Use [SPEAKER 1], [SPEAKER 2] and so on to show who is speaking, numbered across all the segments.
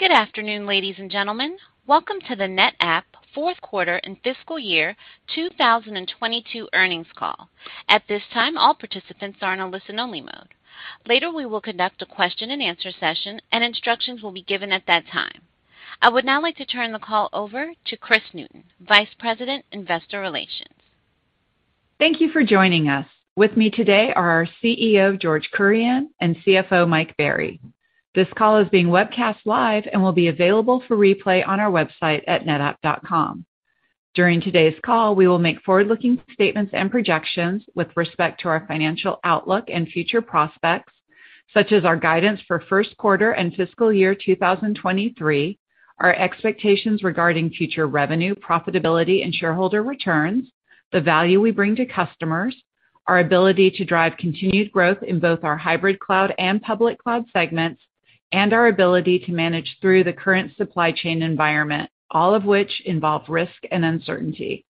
[SPEAKER 1] Good afternoon, ladies and gentlemen. Welcome to the NetApp Fourth Quarter and Fiscal Year 2022 Earnings Call. At this time, all participants are in a listen-only mode. Later, we will conduct a question-and-answer session, and instructions will be given at that time. I would now like to turn the call over to Kris Newton, Vice President, Investor Relations.
[SPEAKER 2] Thank you for joining us. With me today are our CEO, George Kurian, and CFO, Mike Berry. This call is being webcast live and will be available for replay on our website at netapp.com. During today's call, we will make forward-looking statements and projections with respect to our financial outlook and future prospects, such as our guidance for first quarter and fiscal year 2023, our expectations regarding future revenue, profitability and shareholder returns, the value we bring to customers, our ability to drive continued growth in both our hybrid cloud and public cloud segments, and our ability to manage through the current supply chain environment, all of which involve risk and uncertainty.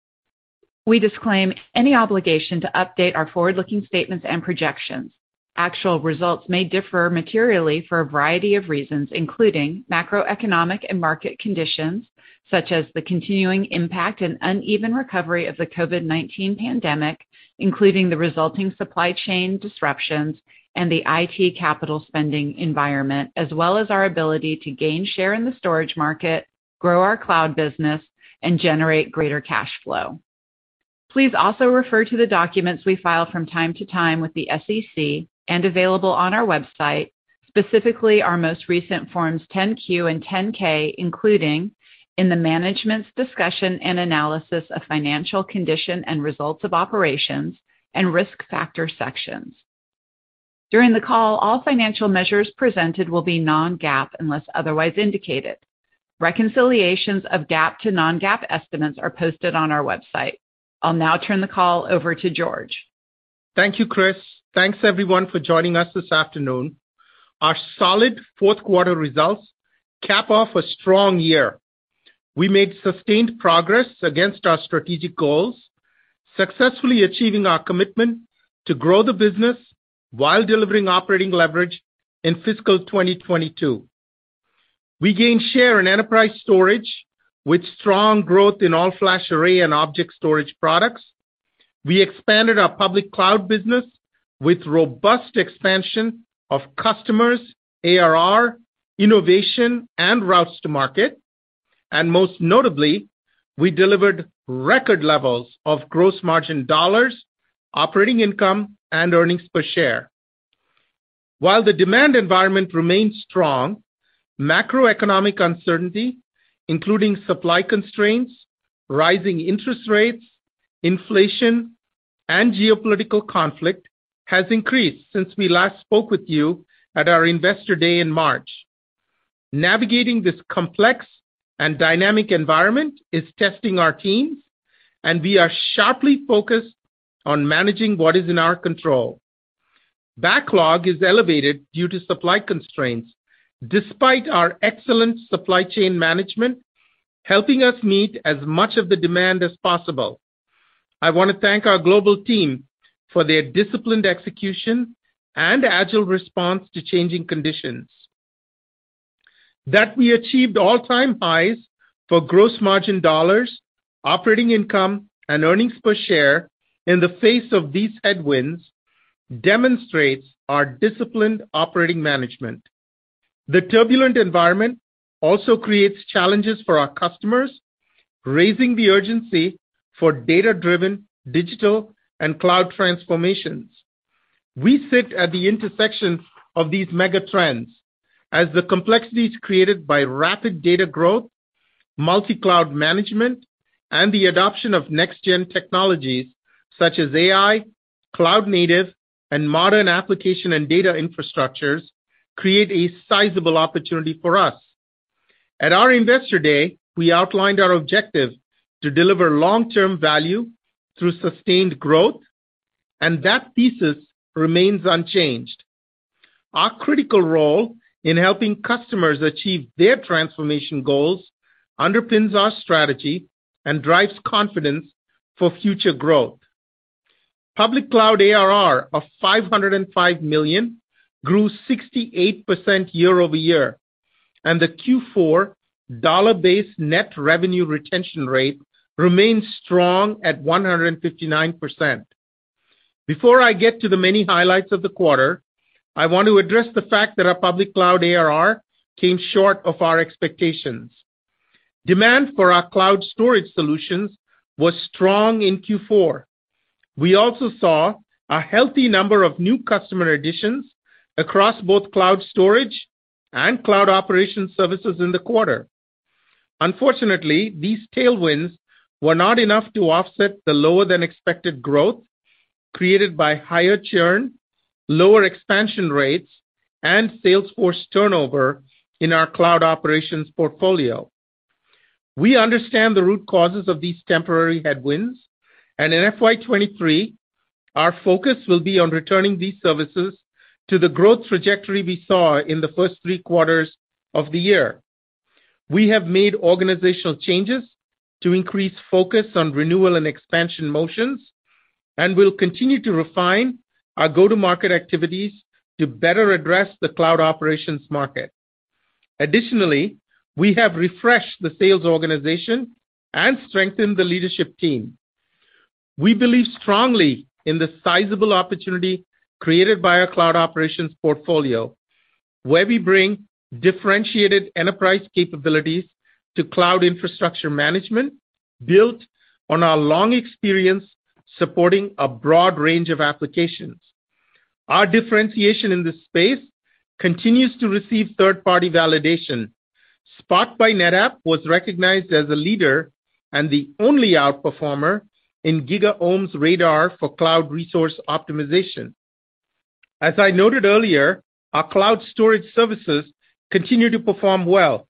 [SPEAKER 2] We disclaim any obligation to update our forward-looking statements and projections. Actual results may differ materially for a variety of reasons, including macroeconomic and market conditions, such as the continuing impact and uneven recovery of the COVID-19 pandemic, including the resulting supply chain disruptions and the IT capital spending environment, as well as our ability to gain share in the storage market, grow our cloud business, and generate greater cash flow. Please also refer to the documents we file from time to time with the SEC and available on our website, specifically our most recent Forms 10-Q and 10-K, including in the management's discussion and analysis of financial condition and results of operations and risk factor sections. During the call, all financial measures presented will be non-GAAP unless otherwise indicated. Reconciliations of GAAP to non-GAAP estimates are posted on our website. I'll now turn the call over to George Kurian.
[SPEAKER 3] Thank you, Kris. Thanks, everyone for joining us this afternoon. Our solid fourth quarter results cap off a strong year. We made sustained progress against our strategic goals, successfully achieving our commitment to grow the business while delivering operating leverage in fiscal 2022. We gained share in enterprise storage with strong growth in all-flash array and object storage products. We expanded our public cloud business with robust expansion of customers, ARR, innovation, and routes to market. Most notably, we delivered record levels of gross margin dollars, operating income, and earnings per share. While the demand environment remains strong, macroeconomic uncertainty, including supply constraints, rising interest rates, inflation, and geopolitical conflict, has increased since we last spoke with you at our Investor Day in March. Navigating this complex and dynamic environment is testing our teams, and we are sharply focused on managing what is in our control. Backlog is elevated due to supply constraints, despite our excellent supply chain management helping us meet as much of the demand as possible. I want to thank our global team for their disciplined execution and agile response to changing conditions. That we achieved all-time highs for gross margin dollars, operating income, and earnings per share in the face of these headwinds demonstrates our disciplined operating management. The turbulent environment also creates challenges for our customers, raising the urgency for data-driven digital and cloud transformations. We sit at the intersection of these mega trends as the complexities created by rapid data growth, multi-cloud management, and the adoption of next-gen technologies such as AI, cloud native, and modern application and data infrastructures create a sizable opportunity for us. At our Investor Day, we outlined our objective to deliver long-term value through sustained growth, and that thesis remains unchanged. Our critical role in helping customers achieve their transformation goals underpins our strategy and drives confidence for future growth. Public cloud ARR of $505 million grew 68% year-over-year, and the Q4 dollar-based net revenue retention rate remains strong at 159%. Before I get to the many highlights of the quarter, I want to address the fact that our public cloud ARR came short of our expectations. Demand for our cloud storage solutions was strong in Q4. We also saw a healthy number of new customer additions across both cloud storage and cloud operations services in the quarter. Unfortunately, these tailwinds were not enough to offset the lower than expected growth created by higher churn, lower expansion rates, and sales force turnover in our cloud operations portfolio. We understand the root causes of these temporary headwinds, and in FY 2023, our focus will be on returning these services to the growth trajectory we saw in the first three quarters of the year. We have made organizational changes to increase focus on renewal and expansion motions. We'll continue to refine our go-to-market activities to better address the cloud operations market. Additionally, we have refreshed the sales organization and strengthened the leadership team. We believe strongly in the sizable opportunity created by our cloud operations portfolio, where we bring differentiated enterprise capabilities to cloud infrastructure management built on our long experience supporting a broad range of applications. Our differentiation in this space continues to receive third-party validation. Spot by NetApp was recognized as a leader and the only outperformer in GigaOm's Radar for cloud resource optimization. As I noted earlier, our cloud storage services continue to perform well.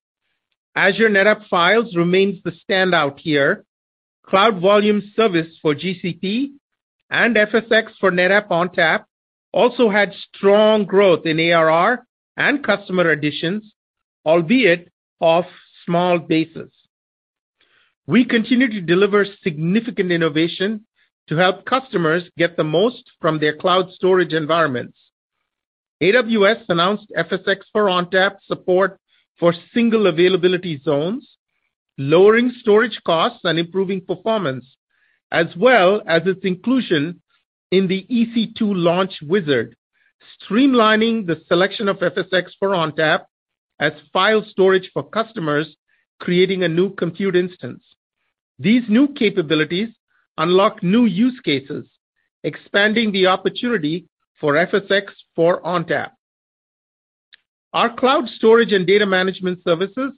[SPEAKER 3] Azure NetApp Files remains the standout here. Cloud Volumes Service for GCP and FSx for NetApp ONTAP also had strong growth in ARR and customer additions, albeit off small bases. We continue to deliver significant innovation to help customers get the most from their cloud storage environments. AWS announced FSx for ONTAP support for single availability zones, lowering storage costs and improving performance, as well as its inclusion in the EC2 Launch Wizard, streamlining the selection of FSx for ONTAP as file storage for customers creating a new compute instance. These new capabilities unlock new use cases, expanding the opportunity for FSx for ONTAP. Our cloud storage and data management services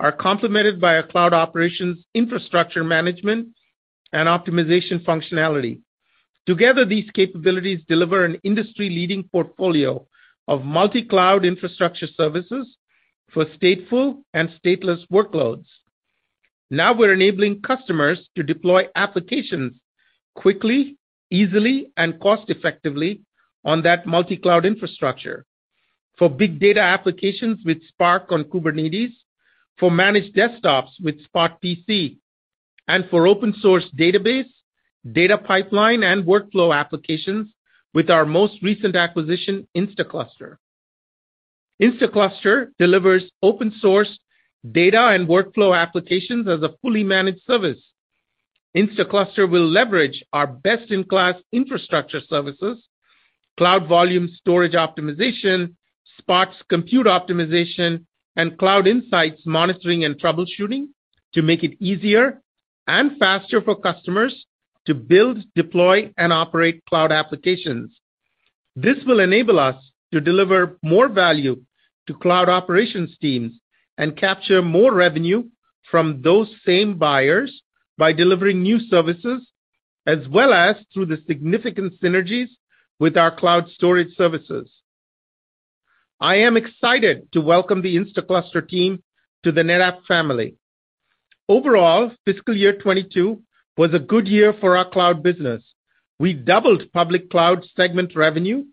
[SPEAKER 3] are complemented by our cloud operations infrastructure management and optimization functionality. Together, these capabilities deliver an industry-leading portfolio of multi-cloud infrastructure services for stateful and stateless workloads. Now we're enabling customers to deploy applications quickly, easily, and cost-effectively on that multi-cloud infrastructure. For big data applications with Spark on Kubernetes, for managed desktops with Spot PC, and for open source database, data pipeline, and workflow applications with our most recent acquisition, Instaclustr. Instaclustr delivers open source data and workflow applications as a fully managed service. Instaclustr will leverage our best-in-class infrastructure services, Cloud Volumes storage optimization, Spot's compute optimization, and Cloud Insights monitoring and troubleshooting to make it easier and faster for customers to build, deploy, and operate cloud applications. This will enable us to deliver more value to cloud operations teams and capture more revenue from those same buyers by delivering new services, as well as through the significant synergies with our cloud storage services. I am excited to welcome the Instaclustr team to the NetApp family. Overall, fiscal year 2022 was a good year for our cloud business. We doubled public cloud segment revenue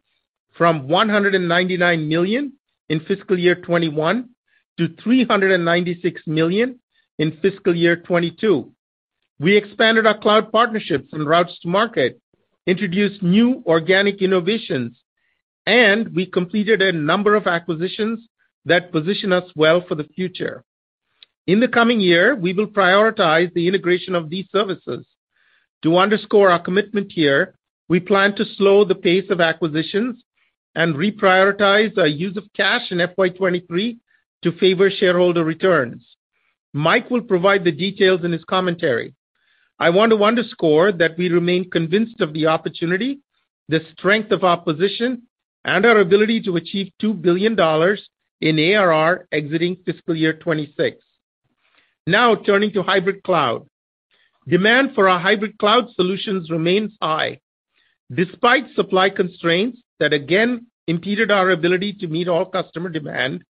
[SPEAKER 3] from $199 million in fiscal year 2021 to $396 million in fiscal year 2022. We expanded our cloud partnerships and routes to market, introduced new organic innovations, and we completed a number of acquisitions that position us well for the future. In the coming year, we will prioritize the integration of these services. To underscore our commitment here, we plan to slow the pace of acquisitions and reprioritize our use of cash in FY 2023 to favor shareholder returns. Mike will provide the details in his commentary. I want to underscore that we remain convinced of the opportunity, the strength of our position, and our ability to achieve $2 billion in ARR exiting fiscal year 2026. Now turning to hybrid cloud. Demand for our hybrid cloud solutions remains high. Despite supply constraints that again impeded our ability to meet all customer demand,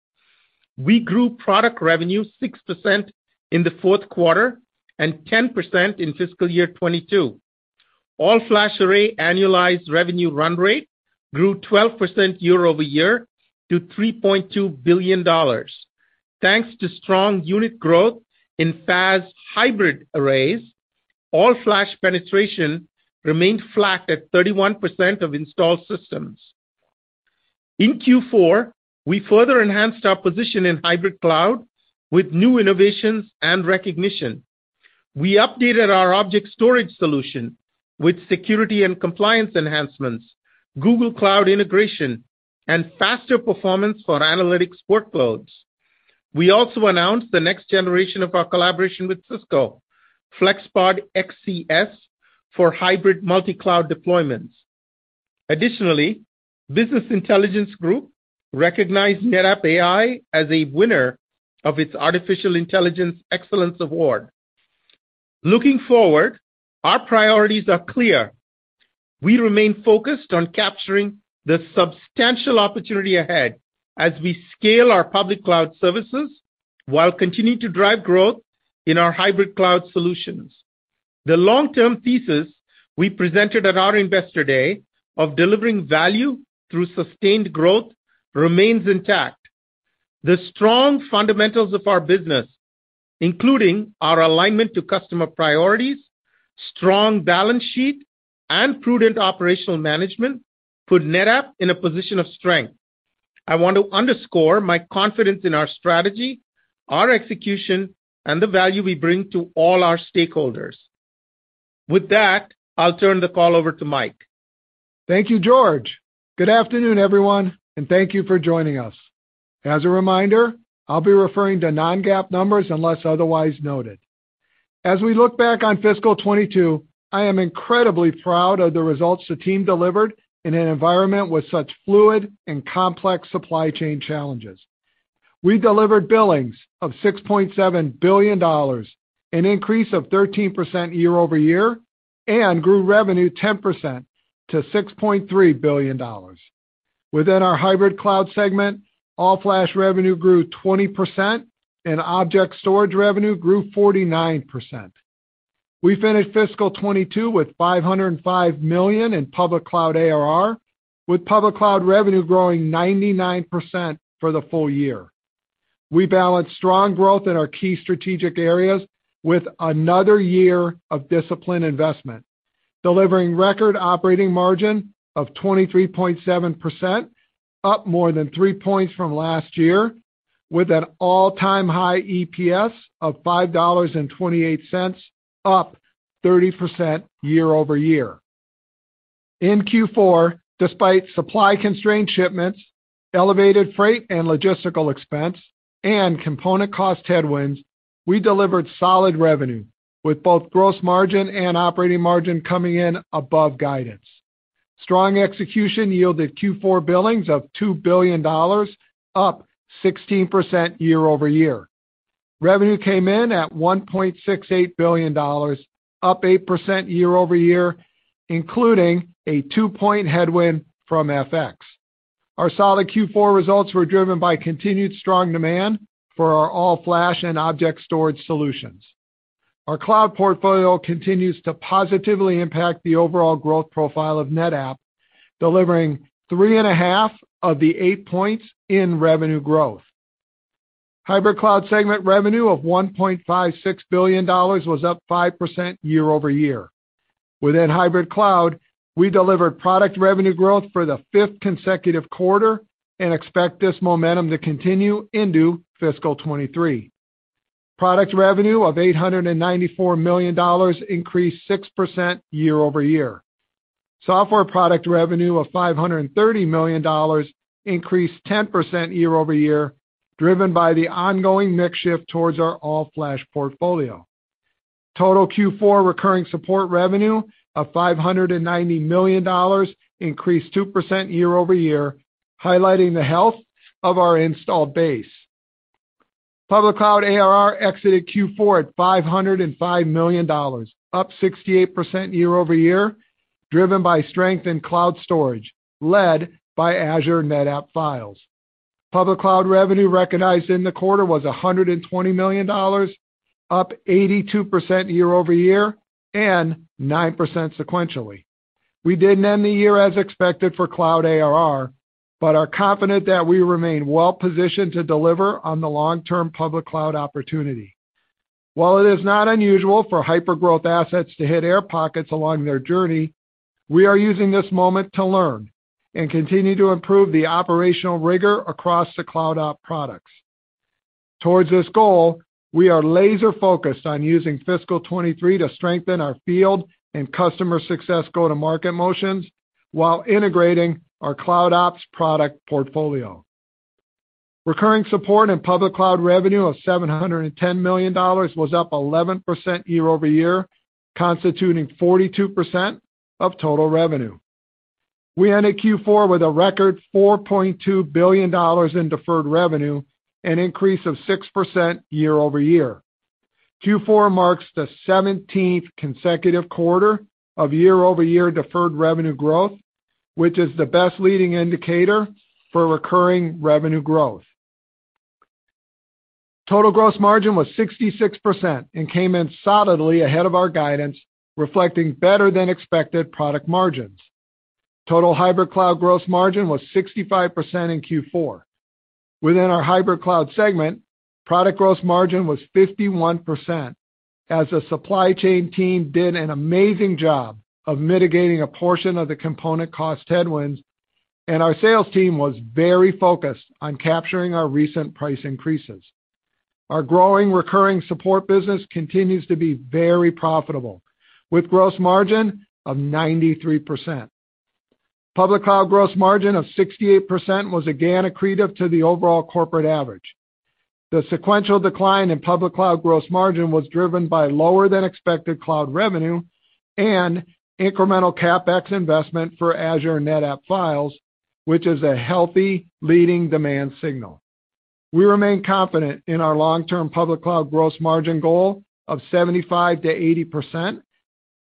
[SPEAKER 3] we grew product revenue 6% in the fourth quarter and 10% in fiscal year 2022. All-flash array annualized revenue run rate grew 12% year-over-year to $3.2 billion. Thanks to strong unit growth in FAS hybrid arrays, all-flash penetration remained flat at 31% of installed systems. In Q4, we further enhanced our position in hybrid cloud with new innovations and recognition. We updated our object storage solution with security and compliance enhancements, Google Cloud integration, and faster performance for analytics workloads. We also announced the next generation of our collaboration with Cisco, FlexPod XCS, for hybrid multi-cloud deployments. Additionally, Business Intelligence Group recognized NetApp AI as a winner of its Artificial Intelligence Excellence Award. Looking forward, our priorities are clear. We remain focused on capturing the substantial opportunity ahead as we scale our public cloud services while continuing to drive growth in our hybrid cloud solutions. The long-term thesis we presented at our Investor Day of delivering value through sustained growth remains intact. The strong fundamentals of our business, including our alignment to customer priorities, strong balance sheet, and prudent operational management, put NetApp in a position of strength. I want to underscore my confidence in our strategy, our execution, and the value we bring to all our stakeholders. With that, I'll turn the call over to Mike.
[SPEAKER 4] Thank you, George. Good afternoon, everyone, and thank you for joining us. As a reminder, I'll be referring to non-GAAP numbers unless otherwise noted. As we look back on fiscal 2022, I am incredibly proud of the results the team delivered in an environment with such fluid and complex supply chain challenges. We delivered billings of $6.7 billion, an increase of 13% year-over-year, and grew revenue 10% to $6.3 billion. Within our hybrid cloud segment, all-flash revenue grew 20%, and object storage revenue grew 49%. We finished fiscal 2022 with 505 million in public cloud ARR, with public cloud revenue growing 99% for the full year. We balanced strong growth in our key strategic areas with another year of disciplined investment, delivering record operating margin of 23.7%, up more than three points from last year, with an all-time high EPS of $5.28, up 30% year-over-year. In Q4, despite supply-constrained shipments, elevated freight and logistical expense, and component cost headwinds, we delivered solid revenue, with both gross margin and operating margin coming in above guidance. Strong execution yielded Q4 billings of $2 billion, up 16% year-over-year. Revenue came in at $1.68 billion, up 8% year-over-year, including a 2-point headwind from FX. Our solid Q4 results were driven by continued strong demand for our all-flash and object storage solutions. Our cloud portfolio continues to positively impact the overall growth profile of NetApp, delivering three and half of the eight points in revenue growth. Hybrid cloud segment revenue of $1.56 billion was up 5% year-over-year. Within hybrid cloud, we delivered product revenue growth for the fifth consecutive quarter and expect this momentum to continue into fiscal 2023. Product revenue of $894 million increased 6% year-over-year. Software product revenue of $530 million increased 10% year-over-year, driven by the ongoing mix shift towards our all-flash portfolio. Total Q4 recurring support revenue of $590 million increased 2% year-over-year, highlighting the health of our installed base. Public cloud ARR exited Q4 at $505 million, up 68% year-over-year, driven by strength in cloud storage led by Azure NetApp Files. Public cloud revenue recognized in the quarter was $120 million, up 82% year-over-year and 9% sequentially. We didn't end the year as expected for cloud ARR, but are confident that we remain well-positioned to deliver on the long-term public cloud opportunity. While it is not unusual for hypergrowth assets to hit air pockets along their journey, we are using this moment to learn and continue to improve the operational rigor across the CloudOps products. Towards this goal, we are laser-focused on using fiscal 2023 to strengthen our field and customer success go-to-market motions while integrating our CloudOps product portfolio. Recurring support and public cloud revenue of $710 million was up 11% year-over-year, constituting 42% of total revenue. We ended Q4 with a record $4.2 billion in deferred revenue, an increase of 6% year-over-year. Q4 marks the 17th consecutive quarter of year-over-year deferred revenue growth, which is the best leading indicator for recurring revenue growth. Total gross margin was 66% and came in solidly ahead of our guidance, reflecting better-than-expected product margins. Total hybrid cloud gross margin was 65% in Q4. Within our hybrid cloud segment, product gross margin was 51% as the supply chain team did an amazing job of mitigating a portion of the component cost headwinds, and our sales team was very focused on capturing our recent price increases. Our growing recurring support business continues to be very profitable, with gross margin of 93%. Public cloud gross margin of 68% was again accretive to the overall corporate average. The sequential decline in public cloud gross margin was driven by lower than expected cloud revenue and incremental CapEx investment for Azure NetApp Files, which is a healthy leading demand signal. We remain confident in our long-term public cloud gross margin goal of 75%-80%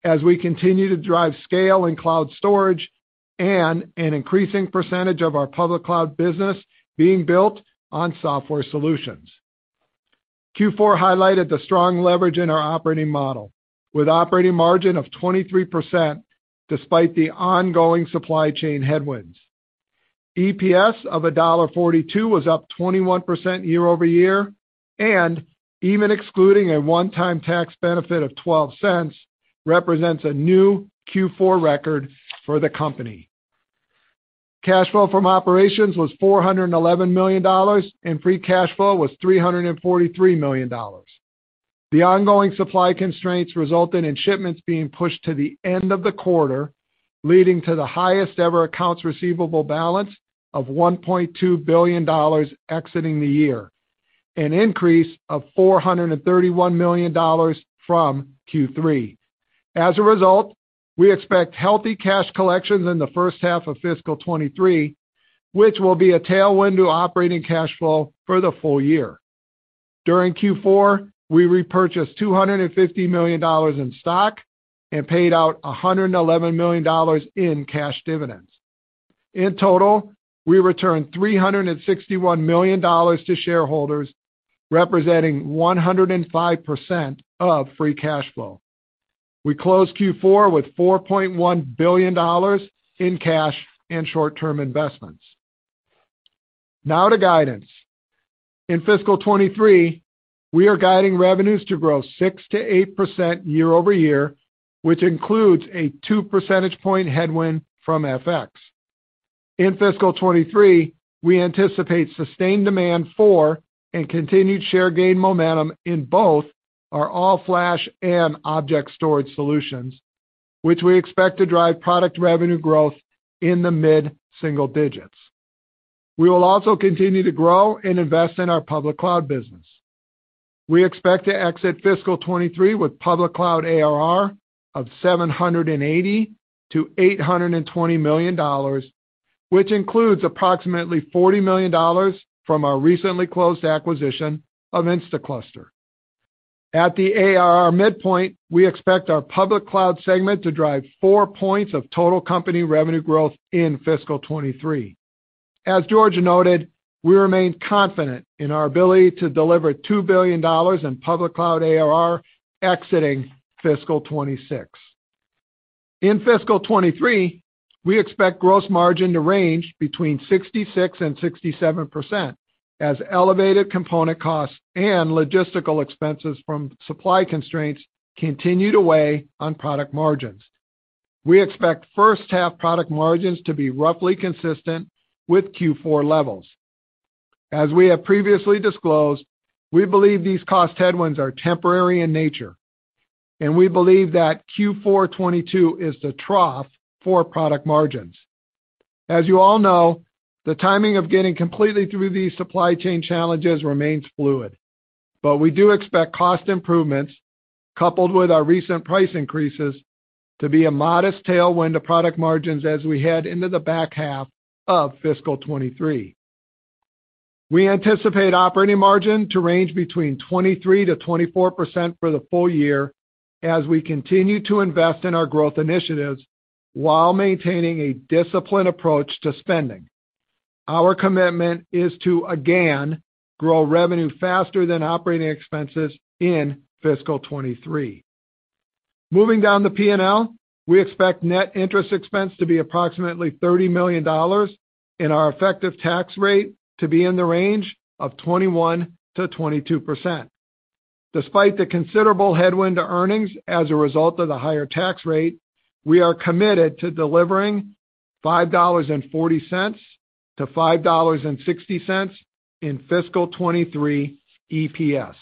[SPEAKER 4] as we continue to drive scale in cloud storage and an increasing percentage of our public cloud business being built on software solutions. Q4 highlighted the strong leverage in our operating model with operating margin of 23% despite the ongoing supply chain headwinds. EPS of $1.42 was up 21% year-over-year, and even excluding a one-time tax benefit of $0.12, represents a new Q4 record for the company. Cash flow from operations was $411 million, and free cash flow was $343 million. The ongoing supply constraints resulted in shipments being pushed to the end of the quarter, leading to the highest ever accounts receivable balance of $1.2 billion exiting the year, an increase of $431 million from Q3. As a result, we expect healthy cash collections in the first half of fiscal 2023, which will be a tailwind to operating cash flow for the full year. During Q4, we repurchased $250 million in stock and paid out $111 million in cash dividends. In total, we returned $361 million to shareholders, representing 105% of free cash flow. We closed Q4 with $4.1 billion in cash and short-term investments. Now to guidance. In fiscal 2023, we are guiding revenues to grow 6%-8% year-over-year, which includes a two percentage points headwind from FX. In fiscal 2023, we anticipate sustained demand for and continued share gain momentum in both our all-flash and object storage solutions, which we expect to drive product revenue growth in the mid-single digits. We will also continue to grow and invest in our public cloud business. We expect to exit fiscal 2023 with public cloud ARR of $780 million-$820 million, which includes approximately $40 million from our recently closed acquisition of Instaclustr. At the ARR midpoint, we expect our public cloud segment to drive 4 points of total company revenue growth in fiscal 2023. As George noted, we remain confident in our ability to deliver $2 billion in public cloud ARR exiting fiscal 2026. In fiscal 2023, we expect gross margin to range between 66% and 67% as elevated component costs and logistical expenses from supply constraints continue to weigh on product margins. We expect first half product margins to be roughly consistent with Q4 levels. As we have previously disclosed, we believe these cost headwinds are temporary in nature, and we believe that Q4 2022 is the trough for product margins. As you all know, the timing of getting completely through these supply chain challenges remains fluid, but we do expect cost improvements coupled with our recent price increases to be a modest tailwind to product margins as we head into the back half of fiscal 2023. We anticipate operating margin to range between 23%-24% for the full year as we continue to invest in our growth initiatives while maintaining a disciplined approach to spending. Our commitment is to again grow revenue faster than operating expenses in fiscal 2023. Moving down the P&L, we expect net interest expense to be approximately $30 million and our effective tax rate to be in the range of 21%-22%. Despite the considerable headwind to earnings as a result of the higher tax rate, we are committed to delivering $5.40-$5.60 in fiscal 2023 EPS.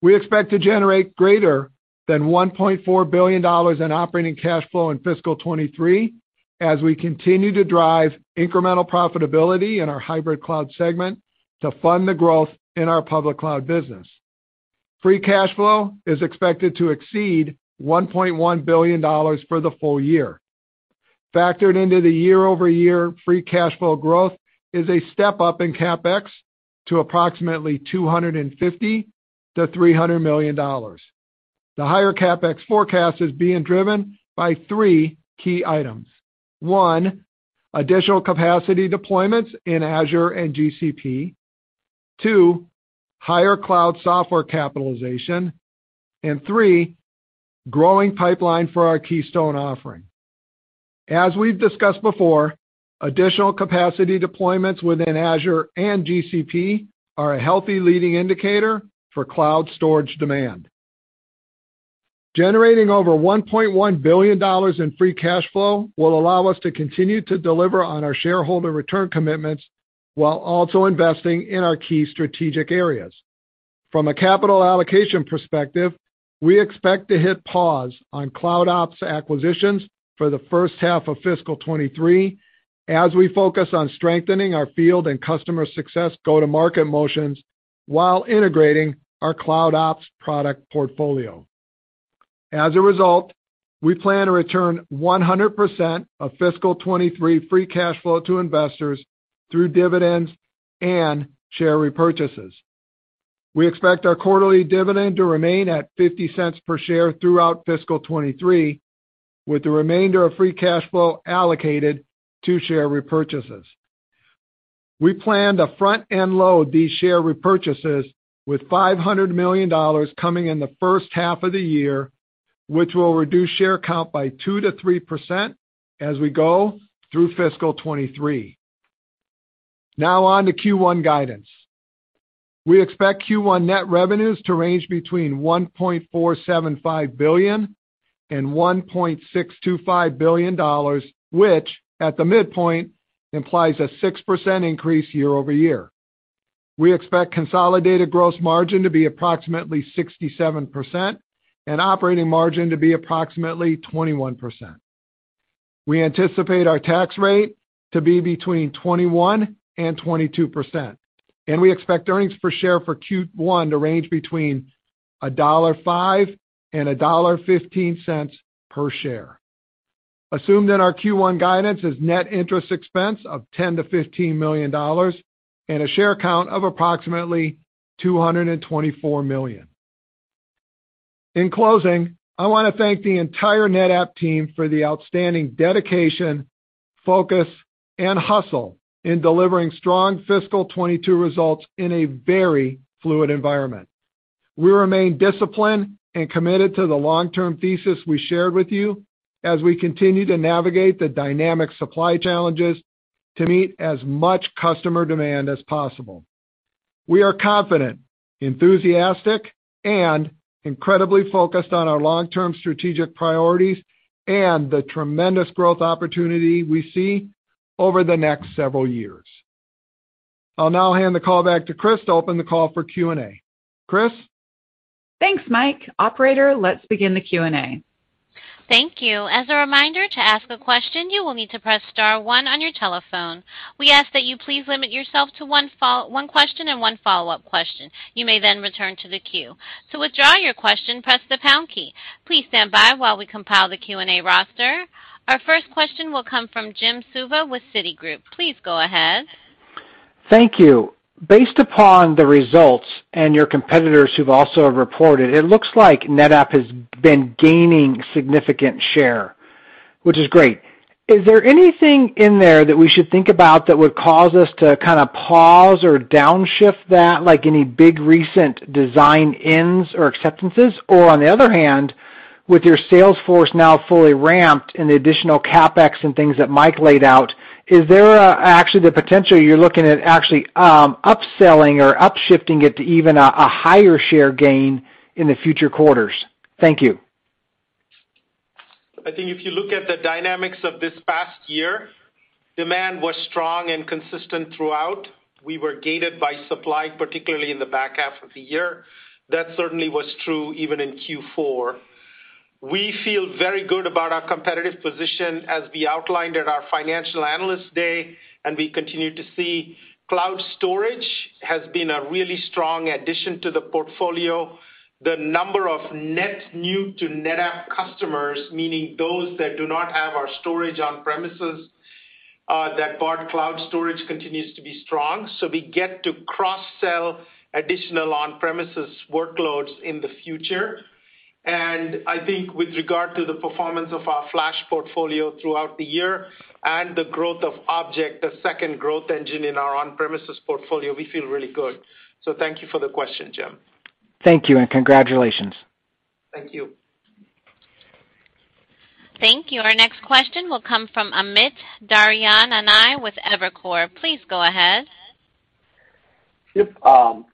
[SPEAKER 4] We expect to generate greater than $1.4 billion in operating cash flow in fiscal 2023 as we continue to drive incremental profitability in our hybrid cloud segment to fund the growth in our public cloud business. Free cash flow is expected to exceed $1.1 billion for the full year. Factored into the year-over-year free cash flow growth is a step-up in CapEx to approximately $250 million-$300 million. The higher CapEx forecast is being driven by three key items. One, additional capacity deployments in Azure and GCP. Two, higher cloud software capitalization. Three, growing pipeline for our Keystone offering. As we've discussed before, additional capacity deployments within Azure and GCP are a healthy leading indicator for cloud storage demand. Generating over $1.1 billion in free cash flow will allow us to continue to deliver on our shareholder return commitments while also investing in our key strategic areas. From a capital allocation perspective, we expect to hit pause on CloudOps acquisitions for the first half of fiscal 2023 as we focus on strengthening our field and customer success go-to-market motions while integrating our CloudOps product portfolio. As a result, we plan to return 100% of fiscal 2023 free cash flow to investors through dividends and share repurchases. We expect our quarterly dividend to remain at $0.50 per share throughout fiscal 2023. With the remainder of free cash flow allocated to share repurchases. We plan to front-end load these share repurchases with $500 million coming in the first half of the year, which will reduce share count by 2%-3% as we go through fiscal 2023. Now on to Q1 guidance. We expect Q1 net revenues to range between $1.475 billion and $1.625 billion, which at the midpoint implies a 6% increase year-over-year. We expect consolidated gross margin to be approximately 67% and operating margin to be approximately 21%. We anticipate our tax rate to be between 21% and 22%, and we expect earnings per share for Q1 to range between $1.05 and $1.15 per share. Assume that our Q1 guidance is net interest expense of $10-$15 million and a share count of approximately 224 million. In closing, I want to thank the entire NetApp team for the outstanding dedication, focus, and hustle in delivering strong fiscal 2022 results in a very fluid environment. We remain disciplined and committed to the long-term thesis we shared with you as we continue to navigate the dynamic supply challenges to meet as much customer demand as possible. We are confident, enthusiastic, and incredibly focused on our long-term strategic priorities and the tremendous growth opportunity we see over the next several years. I'll now hand the call back to Kris to open the call for Q&A.Kris?
[SPEAKER 2] Thanks, Mike. Operator, let's begin the Q&A.
[SPEAKER 1] Thank you. As a reminder, to ask a question, you will need to press star one on your telephone. We ask that you please limit yourself to one question and one follow-up question. You may then return to the queue. To withdraw your question, press the pound key. Please stand by while we compile the Q&A roster. Our first question will come from Jim Suva with Citigroup. Please go ahead.
[SPEAKER 5] Thank you. Based upon the results and your competitors who've also reported, it looks like NetApp has been gaining significant share, which is great. Is there anything in there that we should think about that would cause us to kind of pause or downshift that, like any big recent design wins or acceptances? Or on the other hand, with your sales force now fully ramped and the additional CapEx and things that Mike laid out, is there actually the potential you're looking at actually upselling or upshifting it to even a higher share gain in the future quarters? Thank you.
[SPEAKER 3] I think if you look at the dynamics of this past year, demand was strong and consistent throughout. We were gated by supply, particularly in the back half of the year. That certainly was true even in Q4. We feel very good about our competitive position as we outlined at our Financial Analyst Day, and we continue to see cloud storage has been a really strong addition to the portfolio. The number of net new to NetApp customers, meaning those that do not have our storage on-premises, that bought cloud storage continues to be strong. We get to cross-sell additional on-premises workloads in the future. I think with regard to the performance of our Flash portfolio throughout the year and the growth of object, the second growth engine in our on-premises portfolio, we feel really good. Thank you for the question, Jim.
[SPEAKER 5] Thank you, and congratulations.
[SPEAKER 3] Thank you.
[SPEAKER 1] Thank you. Our next question will come from Amit Daryanani with Evercore. Please go ahead.
[SPEAKER 6] Yep,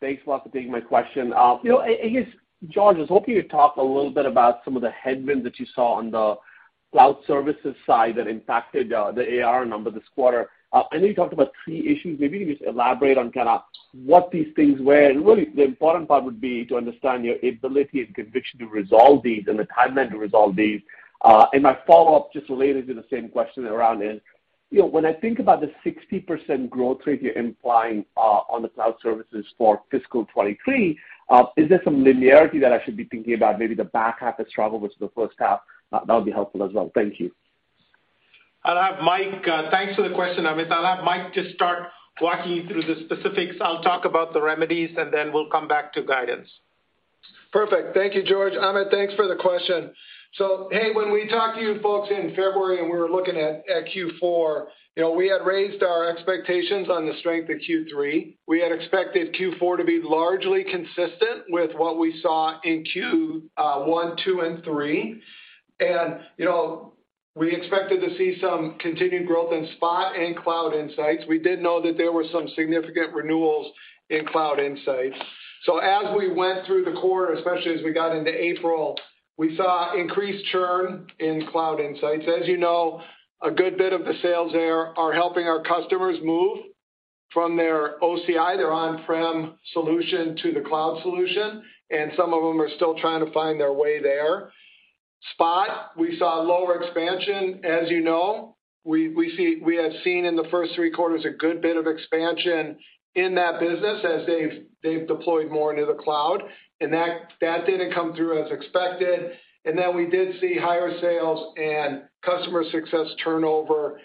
[SPEAKER 6] thanks a lot for taking my question. You know, I guess, George, I was hoping you'd talk a little bit about some of the headwinds that you saw on the cloud services side that impacted the ARR number this quarter. I know you talked about 3 issues. Maybe you could just elaborate on kinda what these things were. Really the important part would be to understand your ability and conviction to resolve these and the timeline to resolve these. My follow-up just related to the same question around is, you know, when I think about the 60% growth rate you're implying on the cloud services for fiscal 2023, is there some linearity that I should be thinking about maybe the back half of the year versus the first half? That would be helpful as well. Thank you.
[SPEAKER 3] I'll have Mike, thanks for the question, Amit. I'll have Mike just start walking you through the specifics. I'll talk about the remedies, and then we'll come back to guidance.
[SPEAKER 4] Perfect. Thank you, George. Amit, thanks for the question. Hey, when we talked to you folks in February, and we were looking at Q4, you know, we had raised our expectations on the strength of Q3. We had expected Q4 to be largely consistent with what we saw in Q1, Q2, and Q3. You know, we expected to see some continued growth in Spot and Cloud Insights. We did know that there were some significant renewals in Cloud Insights. As we went through the quarter, especially as we got into April, we saw increased churn in Cloud Insights. As you know, a good bit of the sales there are helping our customers move from their OCI, their on-prem solution, to the cloud solution, and some of them are still trying to find their way there. Spot, we saw lower expansion. As you know, we had seen in the first three quarters a good bit of expansion in that business as they've deployed more into the cloud, and that didn't come through as expected. Then we did see higher sales and customer success turnover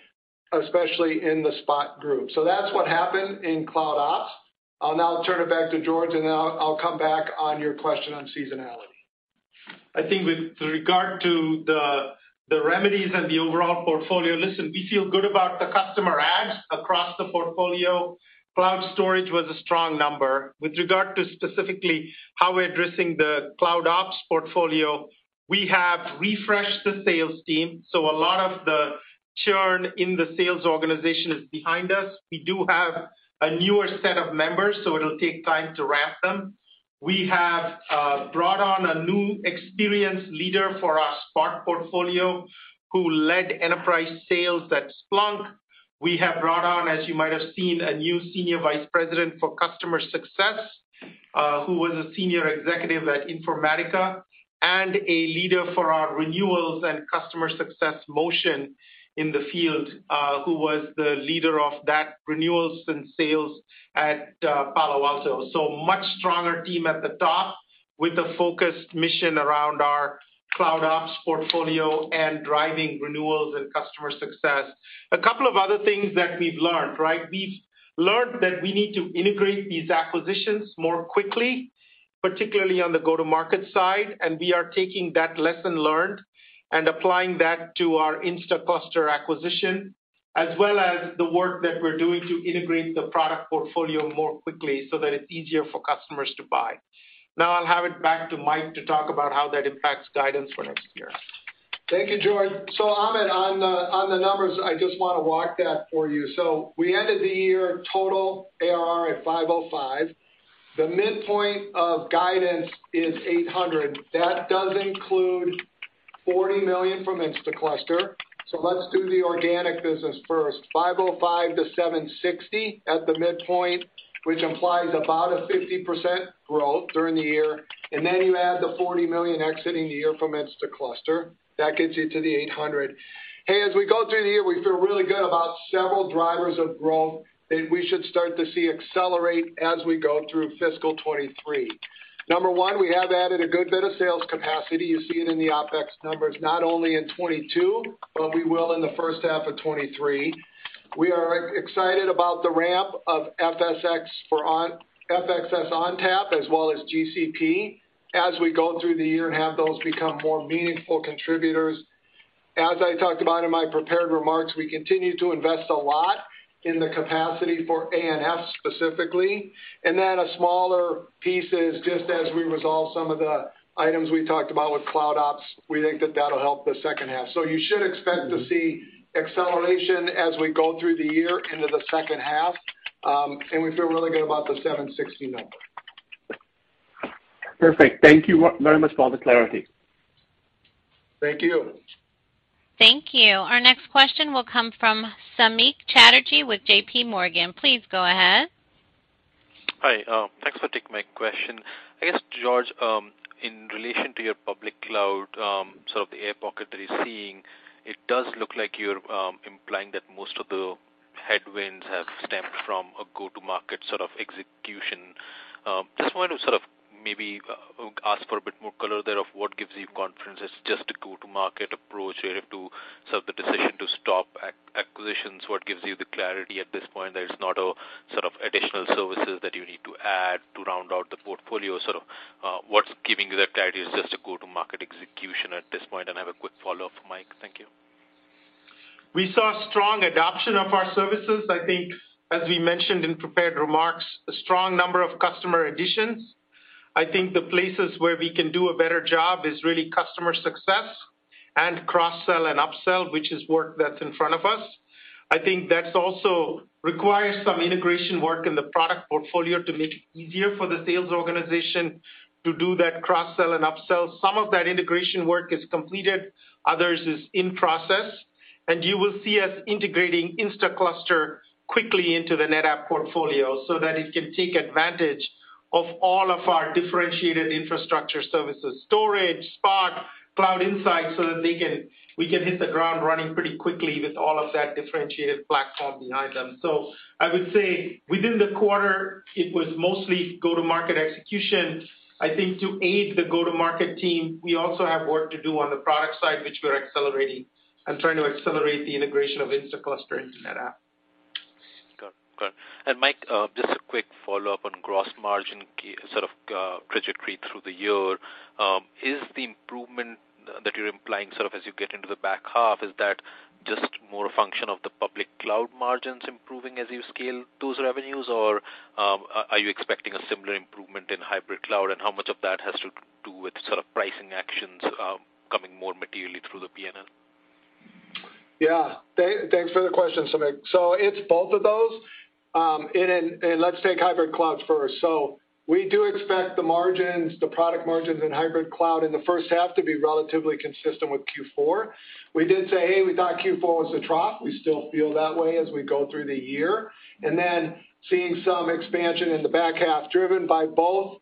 [SPEAKER 4] especially in the Spot group. That's what happened in CloudOps. I'll now turn it back to George, and then I'll come back on your question on seasonality.
[SPEAKER 3] I think with regard to the remedies and the overall portfolio, listen, we feel good about the customer adds across the portfolio. Cloud storage was a strong number. With regard to specifically how we're addressing the CloudOps portfolio, we have refreshed the sales team, so a lot of the churn in the sales organization is behind us. We do have a newer set of members, so it'll take time to ramp them. We have brought on a new experienced leader for our Spot portfolio who led enterprise sales at Splunk. We have brought on, as you might have seen, a new senior vice president for customer success, who was a senior executive at Informatica, and a leader for our renewals and customer success motion in the field, who was the leader of that renewals and sales at Palo Alto. Much stronger team at the top with a focused mission around our CloudOps portfolio and driving renewals and customer success. A couple of other things that we've learned, right? We've learned that we need to integrate these acquisitions more quickly, particularly on the go-to-market side, and we are taking that lesson learned and applying that to our Instaclustr acquisition, as well as the work that we're doing to integrate the product portfolio more quickly so that it's easier for customers to buy. Now I'll hand it back to Mike to talk about how that impacts guidance for next year.
[SPEAKER 4] Thank you, George. Amit, on the numbers, I just wanna walk that for you. We ended the year total ARR at $505 million. The midpoint of guidance is $800 million. That does include $40 million from Instaclustr. Let's do the organic business first. $505 million to $760 million at the midpoint, which implies about 50% growth during the year. You add the $40 million exiting the year from Instaclustr. That gets you to the $800 million. Hey, as we go through the year, we feel really good about several drivers of growth that we should start to see accelerate as we go through fiscal 2023. Number one, we have added a good bit of sales capacity. You see it in the OpEx numbers, not only in 2022, but we will in the first half of 2023. We are excited about the ramp of FSx ONTAP, as well as GCP as we go through the year and have those become more meaningful contributors. As I talked about in my prepared remarks, we continue to invest a lot in the capacity for ANF specifically. Then a smaller piece is just as we resolve some of the items we talked about with CloudOps, we think that that'll help the second half. You should expect to see acceleration as we go through the year into the second half, and we feel really good about the 760 number.
[SPEAKER 6] Perfect. Thank you very much for all the clarity.
[SPEAKER 4] Thank you.
[SPEAKER 1] Thank you. Our next question will come from Samik Chatterjee with J.P. Morgan. Please go ahead.
[SPEAKER 7] Hi, thanks for taking my question. I guess, George, in relation to your public cloud, sort of the air pocket that you're seeing, it does look like you're implying that most of the headwinds have stemmed from a go-to-market sort of execution. Just wanted to sort of maybe ask for a bit more color there of what gives you confidence it's just a go-to-market approach here to sort of the decision to stop acquisitions, what gives you the clarity at this point that it's not a sort of additional services that you need to add to round out the portfolio? Sort of, what's giving you that clarity it's just a go-to-market execution at this point? I have a quick follow-up for Mike. Thank you.
[SPEAKER 3] We saw strong adoption of our services. I think, as we mentioned in prepared remarks, a strong number of customer additions. I think the places where we can do a better job is really customer success and cross-sell and upsell, which is work that's in front of us. I think that's also requires some integration work in the product portfolio to make it easier for the sales organization to do that cross-sell and upsell. Some of that integration work is completed, others is in process. You will see us integrating Instaclustr quickly into the NetApp portfolio so that it can take advantage of all of our differentiated infrastructure services, storage, Spot, Cloud Insights, so that we can hit the ground running pretty quickly with all of that differentiated platform behind them. I would say within the quarter, it was mostly go-to-market execution. I think to aid the go-to-market team, we also have work to do on the product side, which we're accelerating and trying to accelerate the integration of Instaclustr into NetApp.
[SPEAKER 7] Got it. Mike, just a quick follow-up on gross margin sort of trajectory through the year. Is the improvement that you're implying sort of as you get into the back half just more a function of the public cloud margins improving as you scale those revenues? Or are you expecting a similar improvement in hybrid cloud, and how much of that has to do with sort of pricing actions coming more materially through the P&L?
[SPEAKER 4] Yeah. Thanks for the question, Samik. It's both of those. Then let's take hybrid clouds first. We do expect the margins, the product margins in hybrid cloud in the first half to be relatively consistent with Q4. We did say, "Hey, we thought Q4 was the trough." We still feel that way as we go through the year. Then seeing some expansion in the back half driven by both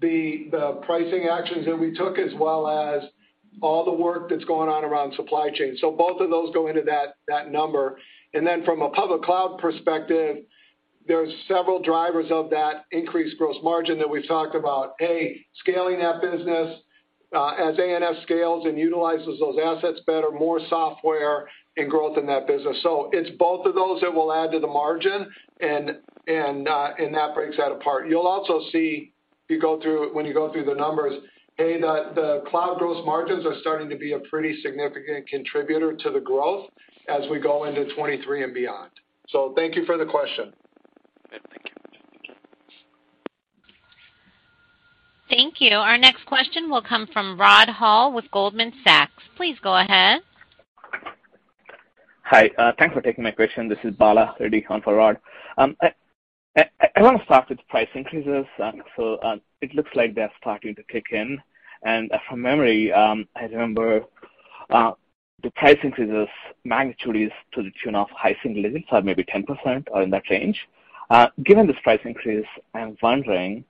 [SPEAKER 4] the pricing actions that we took, as well as all the work that's going on around supply chain. Both of those go into that number. Then from a public cloud perspective, there's several drivers of that increased gross margin that we've talked about. A, scaling that business. As ANF scales and utilizes those assets better, more software and growth in that business. It's both of those that will add to the margin and that breaks that apart. You'll also see, when you go through the numbers, the cloud gross margins are starting to be a pretty significant contributor to the growth as we go into 2023 and beyond. Thank you for the question.
[SPEAKER 7] Thank you.
[SPEAKER 1] Thank you. Our next question will come from Rod Hall with Goldman Sachs. Please go ahead.
[SPEAKER 8] Hi. Thanks for taking my question. This is Bala Reddy on for Rod. I wanna start with price increases. It looks like they're starting to kick in. From memory, I remember the price increases magnitude is to the tune of high single digits or maybe 10% or in that range. Given this price increase, I'm wondering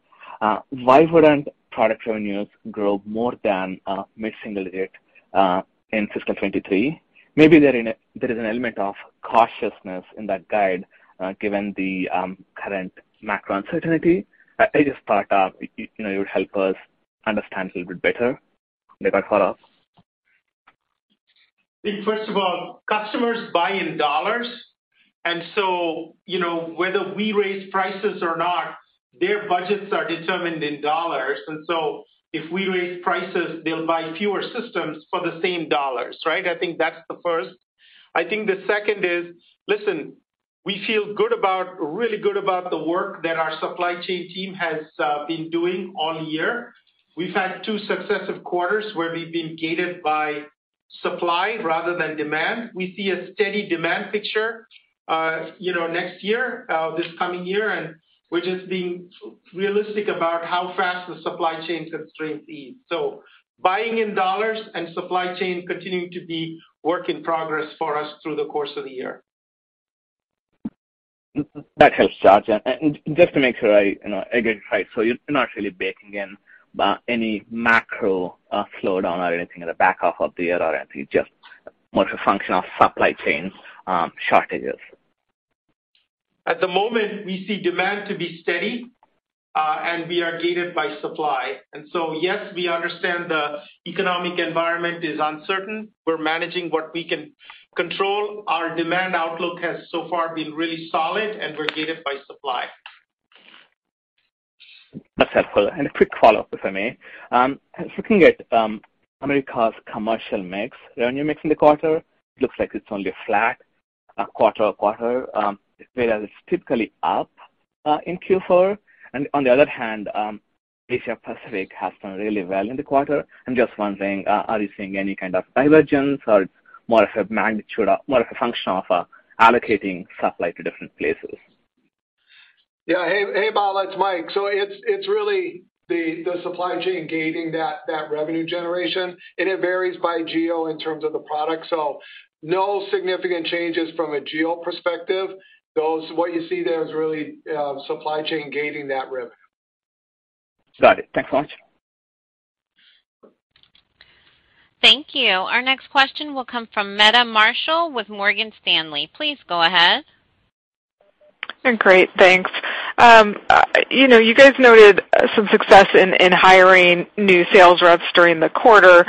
[SPEAKER 8] why wouldn't product revenues grow more than mid-single digit in fiscal 2023? Maybe there is an element of cautiousness in that guide given the current macro uncertainty. I just thought you know it would help us understand a little bit better color.
[SPEAKER 3] I think, first of all, customers buy in dollars. You know, whether we raise prices or not, their budgets are determined in dollars. If we raise prices, they'll buy fewer systems for the same dollars, right? I think that's the first. I think the second is, listen, we feel really good about the work that our supply chain team has been doing all year. We've had two successive quarters where we've been gated by supply rather than demand. We see a steady demand picture, you know, next year, this coming year, and we're just being realistic about how fast the supply chain constraints ease. Buying in dollars and supply chain continuing to be work in progress for us through the course of the year.
[SPEAKER 8] That helps, George. Just to make sure I, you know, I get it right. You're not really baking in any macro slowdown or anything in the back half of the year, or it's just more of a function of supply chain shortages?
[SPEAKER 3] At the moment, we see demand to be steady, and we are gated by supply. Yes, we understand the economic environment is uncertain. We're managing what we can control. Our demand outlook has so far been really solid, and we're gated by supply.
[SPEAKER 8] That's helpful. A quick follow-up, if I may. Looking at Americas' commercial mix, revenue mix in the quarter, looks like it's only flat quarter-over-quarter, whereas it's typically up in Q4. On the other hand, Asia Pacific has done really well in the quarter. I'm just wondering, are you seeing any kind of divergence or it's more of a function of allocating supply to different places?
[SPEAKER 4] Yeah. Hey, Bala. It's Mike. It's really the supply chain gating that revenue generation. It varies by geo in terms of the product. No significant changes from a geo perspective. What you see there is really supply chain gating that revenue.
[SPEAKER 8] Got it. Thanks so much.
[SPEAKER 1] Thank you. Our next question will come from Meta Marshall with Morgan Stanley. Please go ahead.
[SPEAKER 8] Great. Thanks. You know, you guys noted some success in hiring new sales reps during the quarter.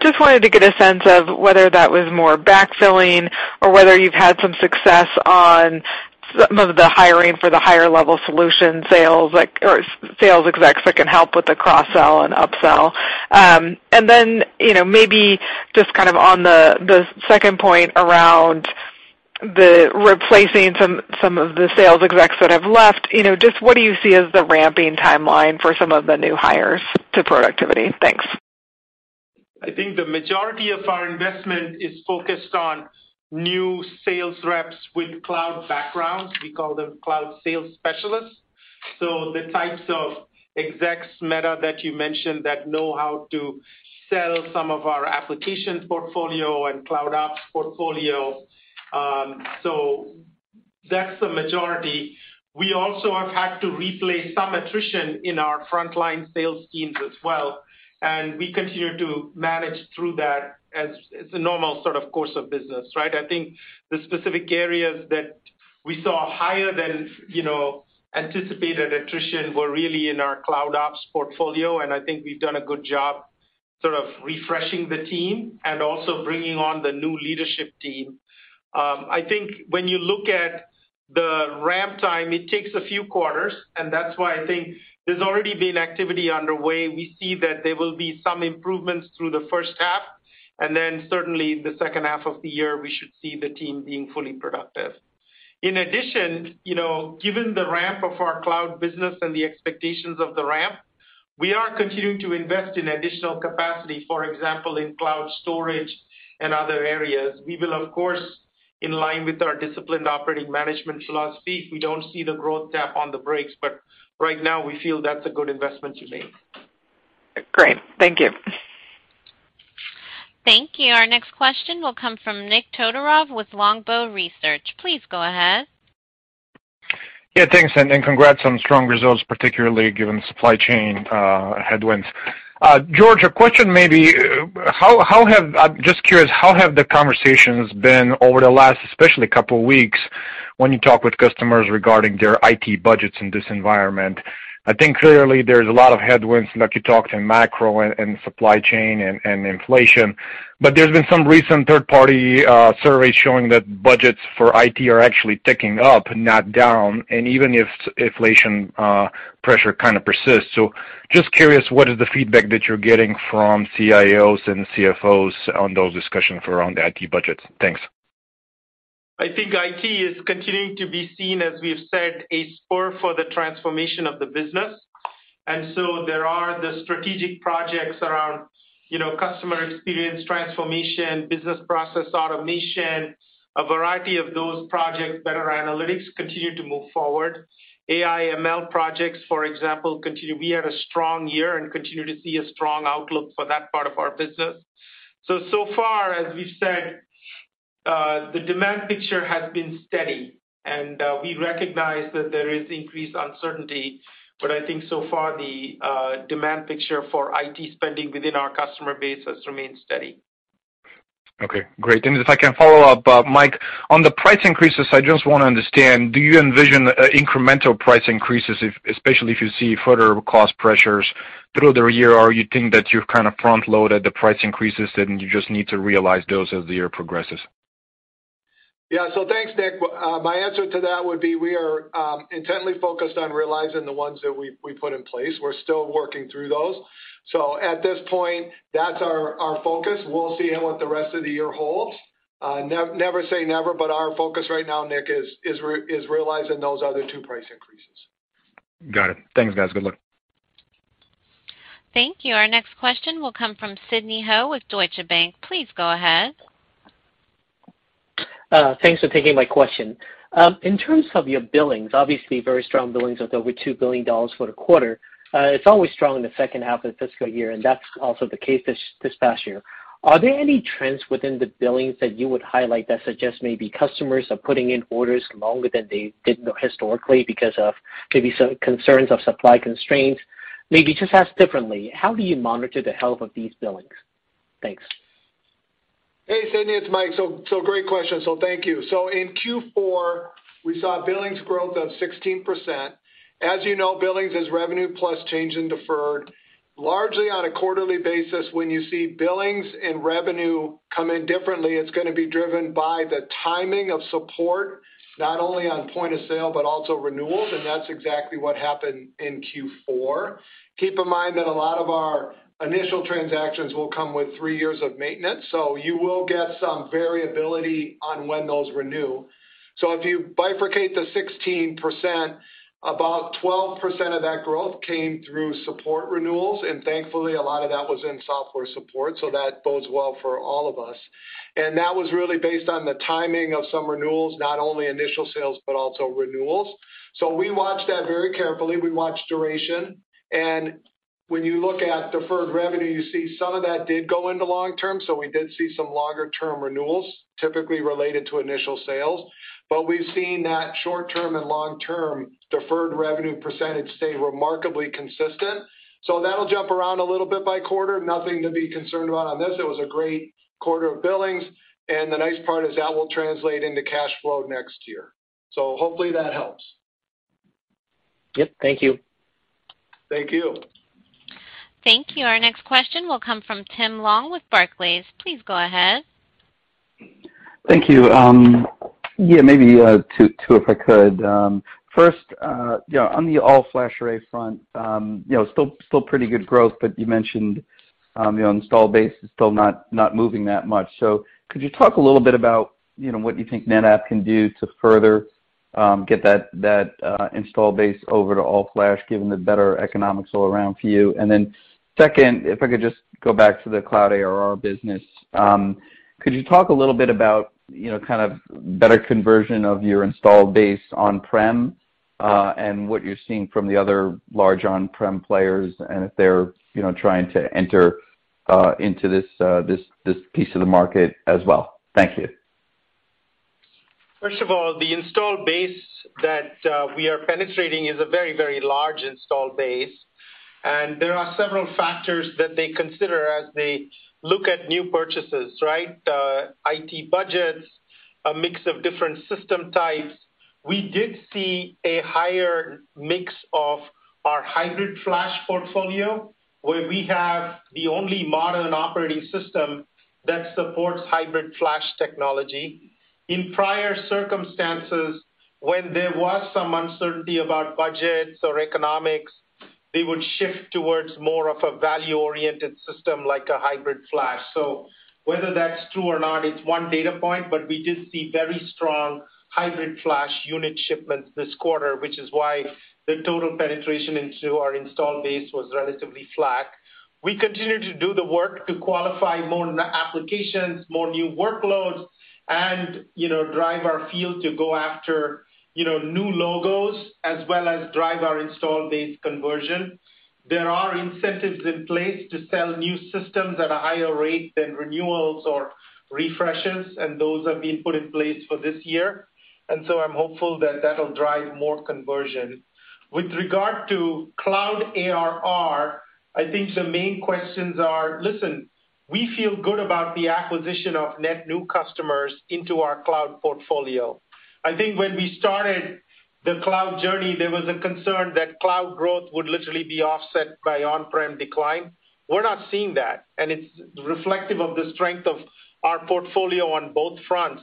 [SPEAKER 8] Just wanted to get a sense of whether that was more backfilling or whether you've had some success on some of the hiring for the higher level solution sales, like, or sales execs that can help with the cross-sell and upsell. You know, maybe just kind of on the second point around the replacing some of the sales execs that have left, you know, just what do you see as the ramping timeline for some of the new hires to productivity? Thanks.
[SPEAKER 3] I think the majority of our investment is focused on new sales reps with cloud backgrounds. We call them cloud sales specialists. The types of execs, Meta, that you mentioned that know how to sell some of our applications portfolio and cloud ops portfolio, so that's the majority. We also have had to replace some attrition in our frontline sales teams as well, and we continue to manage through that as a normal sort of course of business, right? I think the specific areas that we saw higher than, you know, anticipated attrition were really in our cloud ops portfolio, and I think we've done a good job sort of refreshing the team and also bringing on the new leadership team. I think when you look at the ramp time, it takes a few quarters, and that's why I think there's already been activity underway. We see that there will be some improvements through the first half. Certainly the second half of the year, we should see the team being fully productive. In addition, you know, given the ramp of our cloud business and the expectations of the ramp, we are continuing to invest in additional capacity. For example, in cloud storage and other areas. We will, of course, in line with our disciplined operating management philosophy. We don't see the growth tap on the brakes, but right now we feel that's a good investment to make.
[SPEAKER 9] Great. Thank you.
[SPEAKER 1] Thank you. Our next question will come from Nikolay Todorov with Longbow Research. Please go ahead.
[SPEAKER 10] Yeah, thanks, congrats on strong results, particularly given supply chain headwinds. George, a question maybe. How have the conversations been over the last especially couple weeks? When you talk with customers regarding their IT budgets in this environment, I think clearly there's a lot of headwinds like you talked in macro and supply chain and inflation. There's been some recent third-party surveys showing that budgets for IT are actually ticking up, not down, and even if inflation pressure kind of persists. Just curious, what is the feedback that you're getting from CIOs and CFOs on those discussions around the IT budgets? Thanks.
[SPEAKER 3] I think IT is continuing to be seen, as we have said, a spur for the transformation of the business. There are the strategic projects around, you know, customer experience transformation, business process automation, a variety of those projects, better analytics, continue to move forward. AI ML projects, for example, continue. We had a strong year and continue to see a strong outlook for that part of our business. So far as we've said, the demand picture has been steady, and we recognize that there is increased uncertainty. I think so far the demand picture for IT spending within our customer base has remained steady.
[SPEAKER 10] Okay, great. If I can follow up, Mike, on the price increases, I just want to understand, do you envision incremental price increases, especially if you see further cost pressures through the year? Or you think that you've kind of front-loaded the price increases, and you just need to realize those as the year progresses?
[SPEAKER 4] Yeah. Thanks, Nick. My answer to that would be we are intently focused on realizing the ones that we put in place. We're still working through those. At this point, that's our focus. We'll see what the rest of the year holds. Never say never, but our focus right now, Nick, is realizing those other two price increases.
[SPEAKER 10] Got it. Thanks, guys. Good luck.
[SPEAKER 1] Thank you. Our next question will come from Sidney Ho with Deutsche Bank. Please go ahead.
[SPEAKER 11] Thanks for taking my question. In terms of your billings, obviously very strong billings with over $2 billion for the quarter. It's always strong in the second half of the fiscal year, and that's also the case this past year. Are there any trends within the billings that you would highlight that suggest maybe customers are putting in orders longer than they did historically because of maybe some concerns of supply constraints? Maybe just asked differently, how do you monitor the health of these billings? Thanks.
[SPEAKER 4] Hey, Sidney, it's Mike. Great question. Thank you. In Q4, we saw billings growth of 16%. As you know, billings is revenue plus change in deferred. Largely on a quarterly basis, when you see billings and revenue come in differently, it's gonna be driven by the timing of support, not only on point of sale, but also renewals. That's exactly what happened in Q4. Keep in mind that a lot of our initial transactions will come with three years of maintenance, so you will get some variability on when those renew. If you bifurcate the 16%, about 12% of that growth came through support renewals, and thankfully, a lot of that was in software support, so that bodes well for all of us. That was really based on the timing of some renewals, not only initial sales, but also renewals. We watch that very carefully. We watch duration. When you look at deferred revenue, you see some of that did go into long-term. We did see some longer-term renewals, typically related to initial sales. We've seen that short-term and long-term deferred revenue percentage stay remarkably consistent. That'll jump around a little bit by quarter. Nothing to be concerned about on this. It was a great quarter of billings, and the nice part is that will translate into cash flow next year. Hopefully that helps.
[SPEAKER 11] Yep. Thank you.
[SPEAKER 4] Thank you.
[SPEAKER 1] Thank you. Our next question will come from Tim Long with Barclays. Please go ahead.
[SPEAKER 12] Thank you. Yeah, maybe two, if I could. First, yeah, on the all-flash array front, you know, still pretty good growth, but you mentioned, you know, install base is still not moving that much. Could you talk a little bit about, you know, what you think NetApp can do to further get that install base over to all-flash, given the better economics all around for you? Second, if I could just go back to the cloud ARR business, could you talk a little bit about, you know, kind of better conversion of your installed base on-prem, and what you're seeing from the other large on-prem players and if they're, you know, trying to enter into this piece of the market as well? Thank you.
[SPEAKER 3] First of all, the installed base that we are penetrating is a very, very large installed base, and there are several factors that they consider as they look at new purchases, right? IT budgets, a mix of different system types. We did see a higher mix of our hybrid flash portfolio, where we have the only modern operating system that supports hybrid flash technology. In prior circumstances, when there was some uncertainty about budgets or economics, they would shift towards more of a value-oriented system like a hybrid flash. So whether that's true or not, it's one data point, but we did see very strong hybrid flash unit shipments this quarter, which is why the total penetration into our installed base was relatively flat. We continue to do the work to qualify more applications, more new workloads, and, you know, drive our field to go after, you know, new logos as well as drive our installed base conversion. There are incentives in place to sell new systems at a higher rate than renewals or refreshes, and those have been put in place for this year. I'm hopeful that that'll drive more conversion. With regard to cloud ARR, I think the main questions are. We feel good about the acquisition of net new customers into our cloud portfolio. I think when we started the cloud journey, there was a concern that cloud growth would literally be offset by on-prem decline. We're not seeing that, and it's reflective of the strength of our portfolio on both fronts.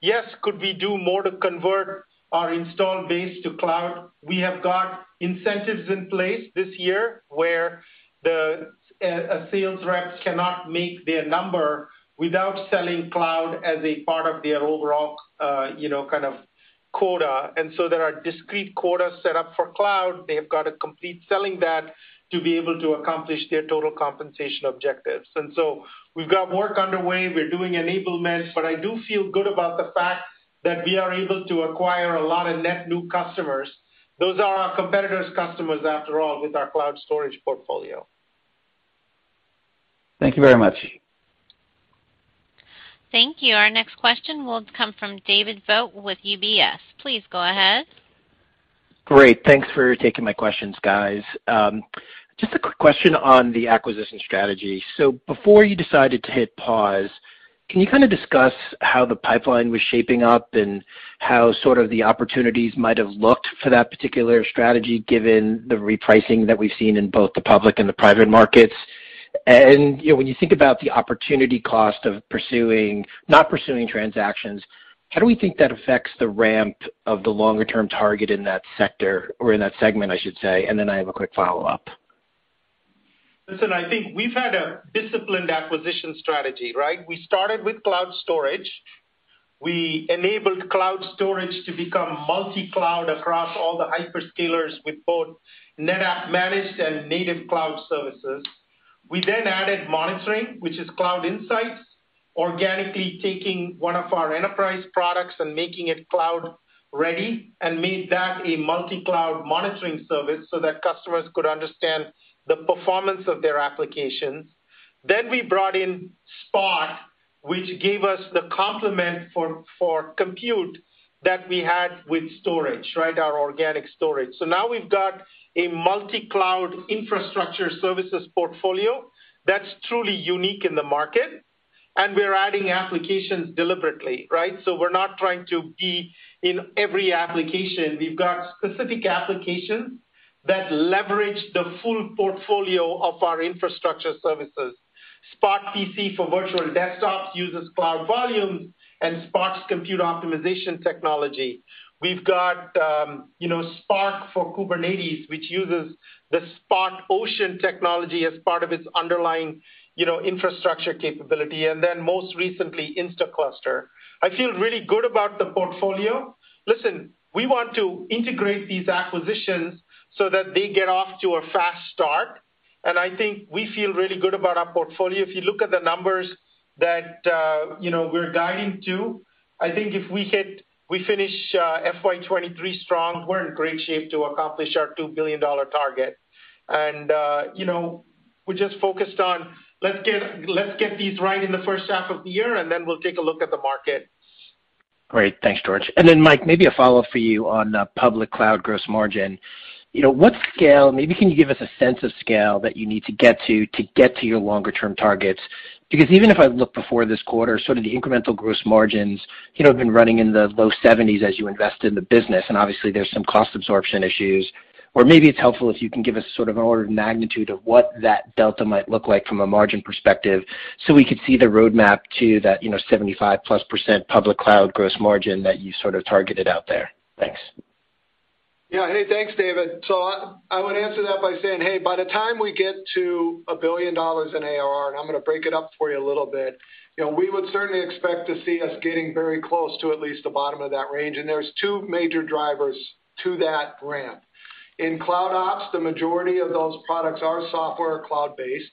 [SPEAKER 3] Yes, could we do more to convert our installed base to cloud? We have got incentives in place this year where the sales reps cannot make their number without selling cloud as a part of their overall, you know, kind of quota. There are discrete quotas set up for cloud. They have got to complete selling that to be able to accomplish their total compensation objectives. We've got work underway. We're doing enablement. I do feel good about the fact that we are able to acquire a lot of net new customers. Those are our competitors' customers, after all, with our cloud storage portfolio.
[SPEAKER 12] Thank you very much.
[SPEAKER 1] Thank you. Our next question will come from David Vogt with UBS. Please go ahead.
[SPEAKER 13] Great. Thanks for taking my questions, guys. Just a quick question on the acquisition strategy. So before you decided to hit pause, can you kind of discuss how the pipeline was shaping up and how sort of the opportunities might have looked for that particular strategy, given the repricing that we've seen in both the public and the private markets? And, you know, when you think about the opportunity cost of not pursuing transactions, how do we think that affects the ramp of the longer term target in that sector or in that segment, I should say? And then I have a quick follow-up.
[SPEAKER 3] Listen, I think we've had a disciplined acquisition strategy, right? We started with cloud storage. We enabled cloud storage to become multi-cloud across all the hyperscalers with both NetApp managed and native cloud services. We added monitoring, which is Cloud Insights, organically taking one of our enterprise products and making it cloud ready and made that a multi-cloud monitoring service so that customers could understand the performance of their applications. We brought in Spot, which gave us the complement for compute that we had with storage, right? Our organic storage. Now we've got a multi-cloud infrastructure services portfolio that's truly unique in the market, and we're adding applications deliberately, right? We're not trying to be in every application. We've got specific applications that leverage the full portfolio of our infrastructure services. Spot PC for virtual desktops uses Cloud Volumes and Spot's compute optimization technology. We've got, you know, Spot for Kubernetes, which uses the Spot Ocean technology as part of its underlying, you know, infrastructure capability, and then most recently, Instaclustr. I feel really good about the portfolio. Listen, we want to integrate these acquisitions so that they get off to a fast start. I think we feel really good about our portfolio. If you look at the numbers that, you know, we're guiding to, I think if we finish FY 2023 strong, we're in great shape to accomplish our $2 billion target. We're just focused on let's get these right in the first half of the year, and then we'll take a look at the market.
[SPEAKER 13] Great. Thanks, George. Mike, maybe a follow-up for you on public cloud gross margin. You know, can you give us a sense of scale that you need to get to get to your longer term targets? Because even if I look before this quarter, sort of the incremental gross margins, you know, have been running in the low 70s as you invest in the business, and obviously there's some cost absorption issues. Or maybe it's helpful if you can give us sort of an order of magnitude of what that delta might look like from a margin perspective, so we could see the roadmap to that, you know, 75% plus public cloud gross margin that you sort of targeted out there. Thanks.
[SPEAKER 4] Yeah. Hey, thanks, David. I would answer that by saying, hey, by the time we get to $1 billion in ARR, and I'm going to break it up for you a little bit, you know, we would certainly expect to see us getting very close to at least the bottom of that range. There's two major drivers to that ramp. In CloudOps, the majority of those products are software cloud-based.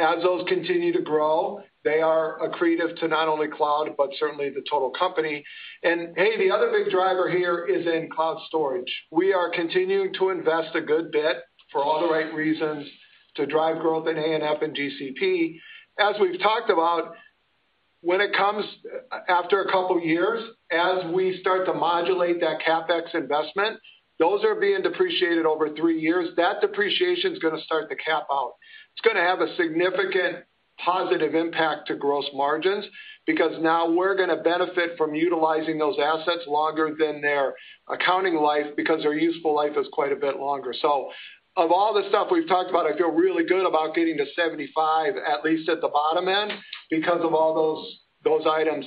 [SPEAKER 4] As those continue to grow, they are accretive to not only cloud, but certainly the total company. Hey, the other big driver here is in cloud storage. We are continuing to invest a good bit for all the right reasons to drive growth in ANF and GCP. As we've talked about, when it comes after a couple of years, as we start to modulate that CapEx investment, those are being depreciated over three years. That depreciation is going to start to cap out. It's going to have a significant positive impact to gross margins because now we're going to benefit from utilizing those assets longer than their accounting life because their useful life is quite a bit longer. Of all the stuff we've talked about, I feel really good about getting to 75%, at least at the bottom end because of all those items.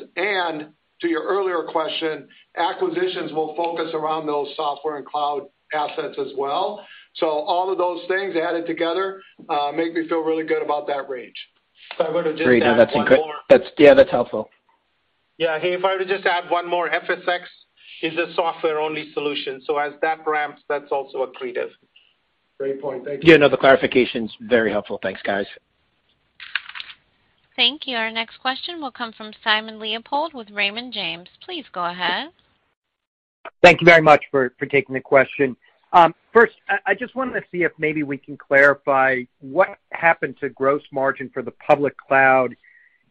[SPEAKER 4] To your earlier question, acquisitions will focus around those software and cloud assets as well. All of those things added together make me feel really good about that range.
[SPEAKER 3] If I were to just add one more.
[SPEAKER 13] Great. Yeah, that's helpful.
[SPEAKER 3] Yeah. Hey, if I were to just add one more, FSx is a software-only solution, so as that ramps, that's also accretive.
[SPEAKER 4] Great point. Thank you.
[SPEAKER 13] Yeah. No, the clarification is very helpful. Thanks, guys.
[SPEAKER 1] Thank you. Our next question will come from Simon Leopold with Raymond James. Please go ahead.
[SPEAKER 14] Thank you very much for taking the question. First, I just wanted to see if maybe we can clarify what happened to gross margin for the public cloud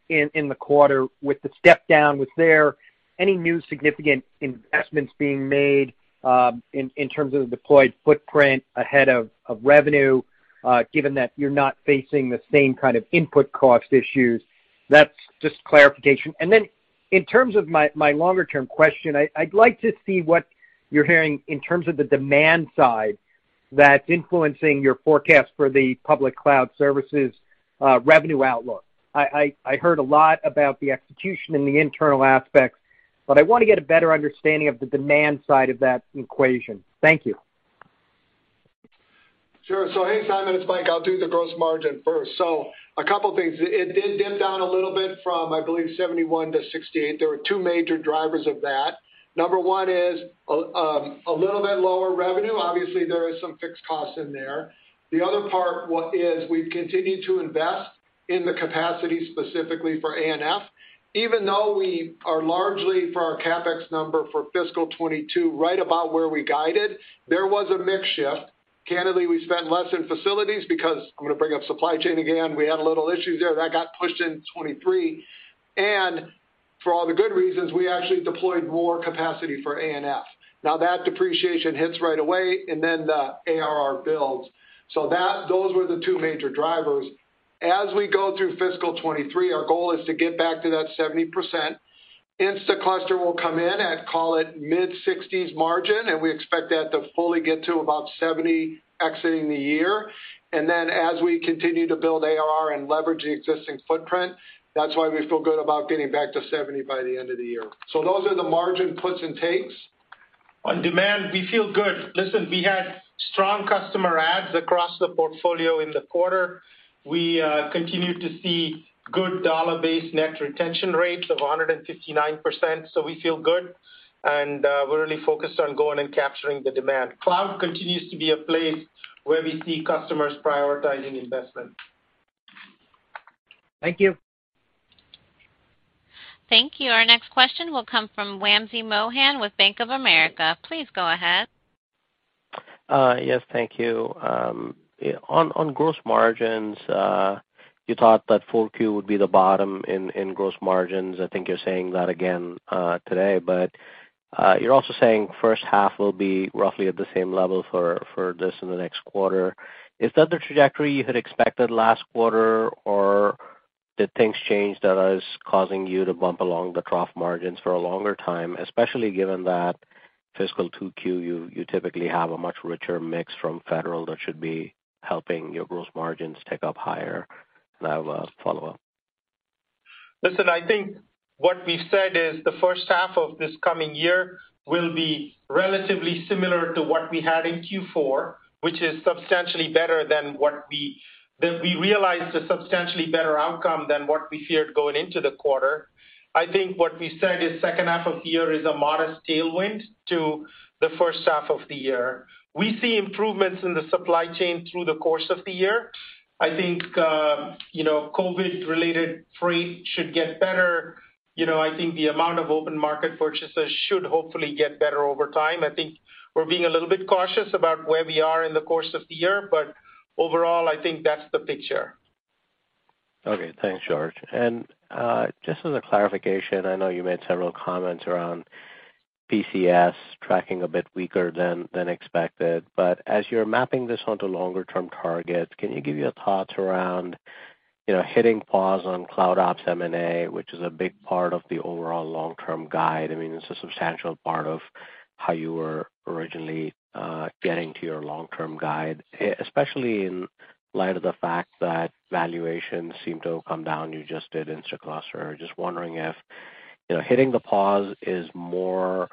[SPEAKER 14] in the quarter with the step down, was there any new significant investments being made, in terms of the deployed footprint ahead of revenue, given that you're not facing the same kind of input cost issues? That's just clarification. In terms of my longer-term question, I'd like to see what you're hearing in terms of the demand side that's influencing your forecast for the public cloud services revenue outlook. I heard a lot about the execution and the internal aspects, but I wanna get a better understanding of the demand side of that equation. Thank you.
[SPEAKER 4] Sure. Hey, Simon, it's Mike. I'll do the gross margin first. A couple things. It did dip down a little bit from, I believe, 71% to 68%. There were two major drivers of that. Number one is a little bit lower revenue. Obviously, there is some fixed costs in there. The other part is we've continued to invest in the capacity specifically for ANF. Even though we are largely for our CapEx number for fiscal 2022, right about where we guided, there was a mix shift. Candidly, we spent less in facilities because I'm gonna bring up supply chain again. We had a little issue there, that got pushed in 2023. For all the good reasons, we actually deployed more capacity for ANF. Now, that depreciation hits right away, and then the ARR builds. Those were the two major drivers. As we go through fiscal 2023, our goal is to get back to that 70%. Instaclustr will come in at, call it, mid-60s margin, and we expect that to fully get to about 70 exiting the year. Then as we continue to build ARR and leverage the existing footprint, that's why we feel good about getting back to 70 by the end of the year. Those are the margin puts and takes.
[SPEAKER 3] On demand, we feel good. Listen, we had strong customer adds across the portfolio in the quarter. We continued to see good dollar-based net retention rates of 159%, so we feel good, and we're really focused on going and capturing the demand. Cloud continues to be a place where we see customers prioritizing investment.
[SPEAKER 14] Thank you.
[SPEAKER 1] Thank you. Our next question will come from Wamsi Mohan with Bank of America. Please go ahead.
[SPEAKER 15] Yes, thank you. On gross margins, you thought that Q4 would be the bottom in gross margins. I think you're saying that again today. You're also saying first half will be roughly at the same level for this and the next quarter. Is that the trajectory you had expected last quarter, or did things change that is causing you to bump along the trough margins for a longer time, especially given that fiscal Q2, you typically have a much richer mix from federal that should be helping your gross margins tick up higher? I have a follow-up.
[SPEAKER 3] Listen, I think what we said is the first half of this coming year will be relatively similar to what we had in Q4. That we realized a substantially better outcome than what we feared going into the quarter. I think what we said is second half of the year is a modest tailwind to the first half of the year. We see improvements in the supply chain through the course of the year. I think, you know, COVID-related freight should get better. You know, I think the amount of open market purchases should hopefully get better over time. I think we're being a little bit cautious about where we are in the course of the year, but overall, I think that's the picture.
[SPEAKER 15] Okay. Thanks, George. Just as a clarification, I know you made several comments around PCS tracking a bit weaker than expected. As you're mapping this onto longer term targets, can you give your thoughts around, you know, hitting pause on CloudOps M&A, which is a big part of the overall long-term guide? I mean, it's a substantial part of how you were originally getting to your long-term guide, especially in light of the fact that valuations seem to have come down. You just did Instaclustr. Just wondering if, you know, hitting the pause is more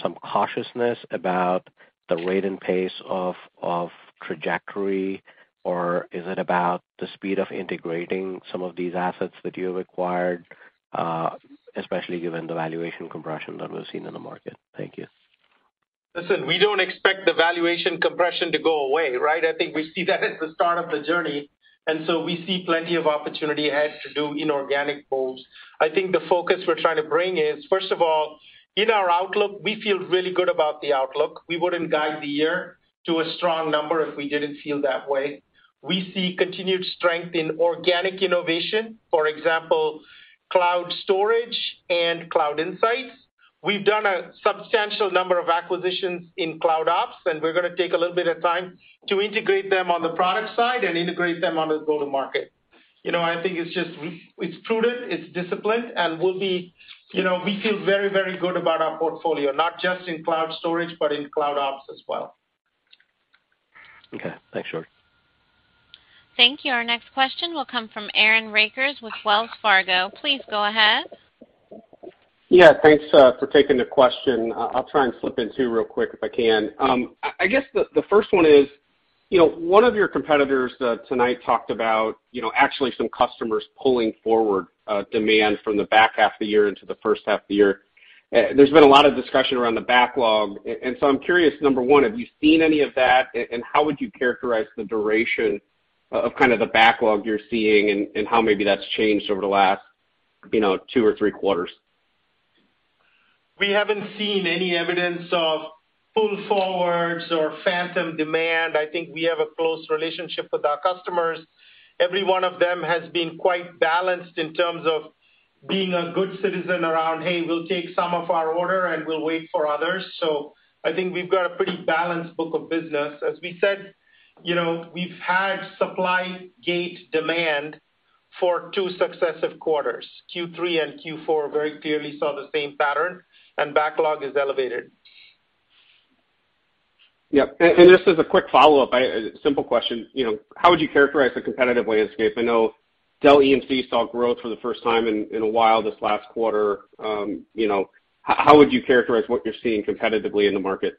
[SPEAKER 15] some cautiousness about the rate and pace of trajectory, or is it about the speed of integrating some of these assets that you have acquired, especially given the valuation compression that we've seen in the market? Thank you.
[SPEAKER 3] Listen, we don't expect the valuation compression to go away, right? I think we see that as the start of the journey, and so we see plenty of opportunity ahead to do inorganic moves. I think the focus we're trying to bring is, first of all, in our outlook, we feel really good about the outlook. We wouldn't guide the year to a strong number if we didn't feel that way. We see continued strength in organic innovation, for example, cloud storage and Cloud Insights. We've done a substantial number of acquisitions in CloudOps, and we're gonna take a little bit of time to integrate them on the product side and integrate them on the go-to-market. You know, I think it's just, it's prudent, it's disciplined, and we'll be. You know, we feel very, very good about our portfolio, not just in cloud storage, but in CloudOps as well.
[SPEAKER 15] Okay. Thanks, George.
[SPEAKER 1] Thank you. Our next question will come from Aaron Rakers with Wells Fargo. Please go ahead.
[SPEAKER 16] Yeah. Thanks for taking the question. I'll try and slip in two real quick if I can. I guess the first one is, you know, one of your competitors tonight talked about, you know, actually some customers pulling forward demand from the back half of the year into the first half of the year. There's been a lot of discussion around the backlog. I'm curious, number one, have you seen any of that? How would you characterize the duration of kind of the backlog you're seeing and how maybe that's changed over the last, you know, two or three quarters?
[SPEAKER 3] We haven't seen any evidence of pull forwards or phantom demand. I think we have a close relationship with our customers. Every one of them has been quite balanced in terms of being a good citizen around, "Hey, we'll take some of our order, and we'll wait for others." I think we've got a pretty balanced book of business. As we said, you know, we've had supply-gated demand for 2 successive quarters. Q3 and Q4 very clearly saw the same pattern, and backlog is elevated.
[SPEAKER 16] Yep. Just as a quick follow-up, it's a simple question, you know. How would you characterize the competitive landscape? I know Dell EMC saw growth for the first time in a while this last quarter. You know, how would you characterize what you're seeing competitively in the market?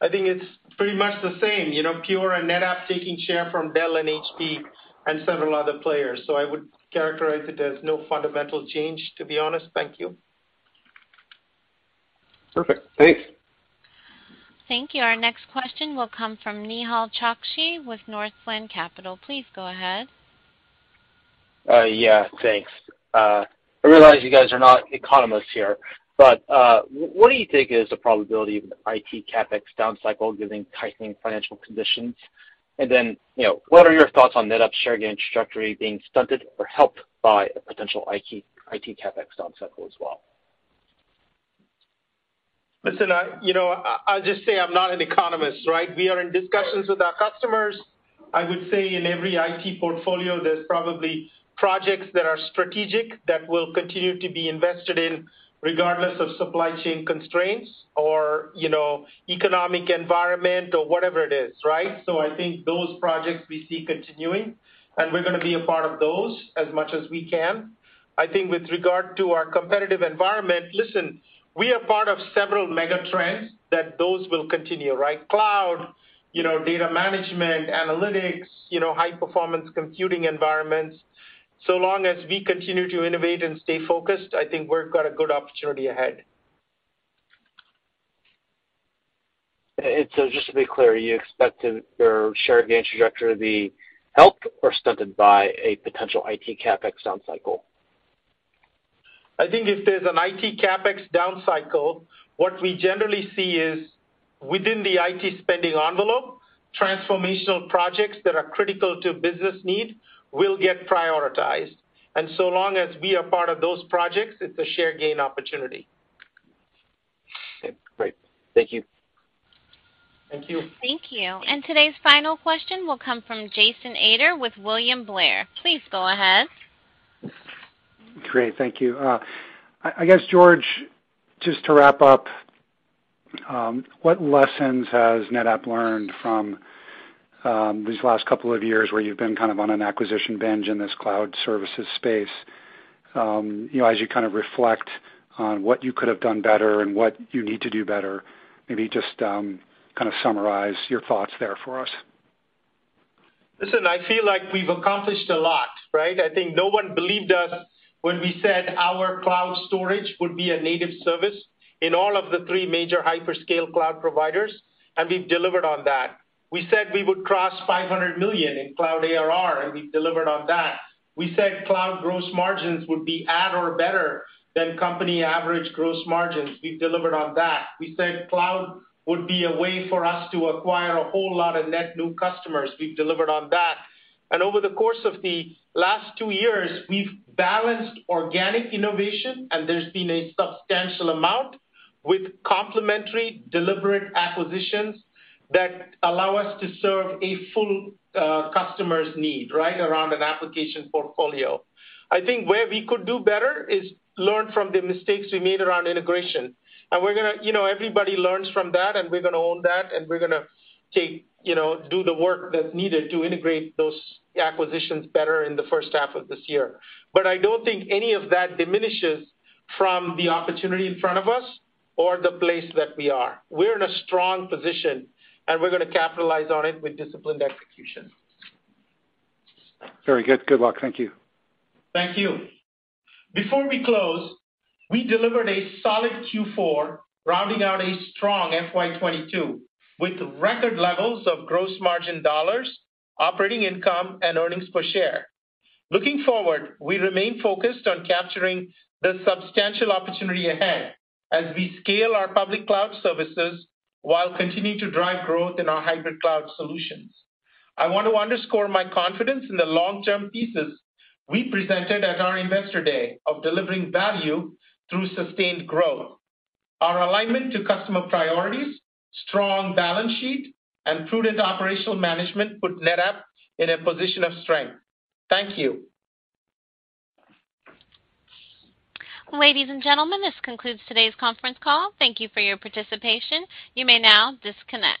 [SPEAKER 3] I think it's pretty much the same. You know, Pure and NetApp taking share from Dell and HP and several other players. I would characterize it as no fundamental change, to be honest. Thank you.
[SPEAKER 16] Perfect. Thanks.
[SPEAKER 1] Thank you. Our next question will come from Nehal Chokshi with Northland Capital Markets. Please go ahead.
[SPEAKER 17] Yeah, thanks. I realize you guys are not economists here, but what do you think is the probability of an IT CapEx down cycle given tightening financial conditions? You know, what are your thoughts on NetApp share gain trajectory being stunted or helped by a potential IT CapEx down cycle as well?
[SPEAKER 3] Listen, you know, I'll just say I'm not an economist, right? We are in discussions with our customers. I would say in every IT portfolio, there's probably projects that are strategic that will continue to be invested in regardless of supply chain constraints or, you know, economic environment or whatever it is, right? I think those projects we see continuing, and we're gonna be a part of those as much as we can. I think with regard to our competitive environment, listen, we are part of several mega trends that those will continue, right? Cloud, you know, data management, analytics, you know, high performance computing environments. So long as we continue to innovate and stay focused, I think we've got a good opportunity ahead.
[SPEAKER 17] Just to be clear, you expect to, your share gain trajectory to be helped or stunted by a potential IT CapEx down cycle?
[SPEAKER 3] I think if there's an IT CapEx down cycle, what we generally see is within the IT spending envelope, transformational projects that are critical to business need will get prioritized. Long as we are part of those projects, it's a share gain opportunity.
[SPEAKER 17] Okay. Great. Thank you.
[SPEAKER 3] Thank you.
[SPEAKER 1] Thank you. Today's final question will come from Jason Ader with William Blair. Please go ahead.
[SPEAKER 18] Great. Thank you. I guess, George, just to wrap up, what lessons has NetApp learned from these last couple of years where you've been kind of on an acquisition binge in this cloud services space? You know, as you kind of reflect on what you could have done better and what you need to do better, maybe just kind of summarize your thoughts there for us.
[SPEAKER 3] Listen, I feel like we've accomplished a lot, right? I think no one believed us when we said our cloud storage would be a native service in all of the three major hyperscale cloud providers, and we've delivered on that. We said we would cross $500 million in cloud ARR, and we've delivered on that. We said cloud gross margins would be at or better than company average gross margins. We've delivered on that. We said cloud would be a way for us to acquire a whole lot of net new customers. We've delivered on that. Over the course of the last two years, we've balanced organic innovation, and there's been a substantial amount with complementary, deliberate acquisitions that allow us to serve a full customer's need, right, around an application portfolio. I think where we could do better is learn from the mistakes we made around integration. We're gonna. You know, everybody learns from that, and we're gonna own that, and we're gonna take, you know, do the work that's needed to integrate those acquisitions better in the first half of this year. I don't think any of that diminishes from the opportunity in front of us or the place that we are. We're in a strong position, and we're gonna capitalize on it with disciplined execution.
[SPEAKER 18] Very good. Good luck. Thank you.
[SPEAKER 3] Thank you. Before we close, we delivered a solid Q4, rounding out a strong FY 2022 with record levels of gross margin dollars, operating income, and earnings per share. Looking forward, we remain focused on capturing the substantial opportunity ahead as we scale our public cloud services while continuing to drive growth in our hybrid cloud solutions. I want to underscore my confidence in the long-term thesis we presented at our investor day of delivering value through sustained growth. Our alignment to customer priorities, strong balance sheet, and prudent operational management put NetApp in a position of strength. Thank you.
[SPEAKER 1] Ladies and gentlemen, this concludes today's conference call. Thank you for your participation. You may now disconnect.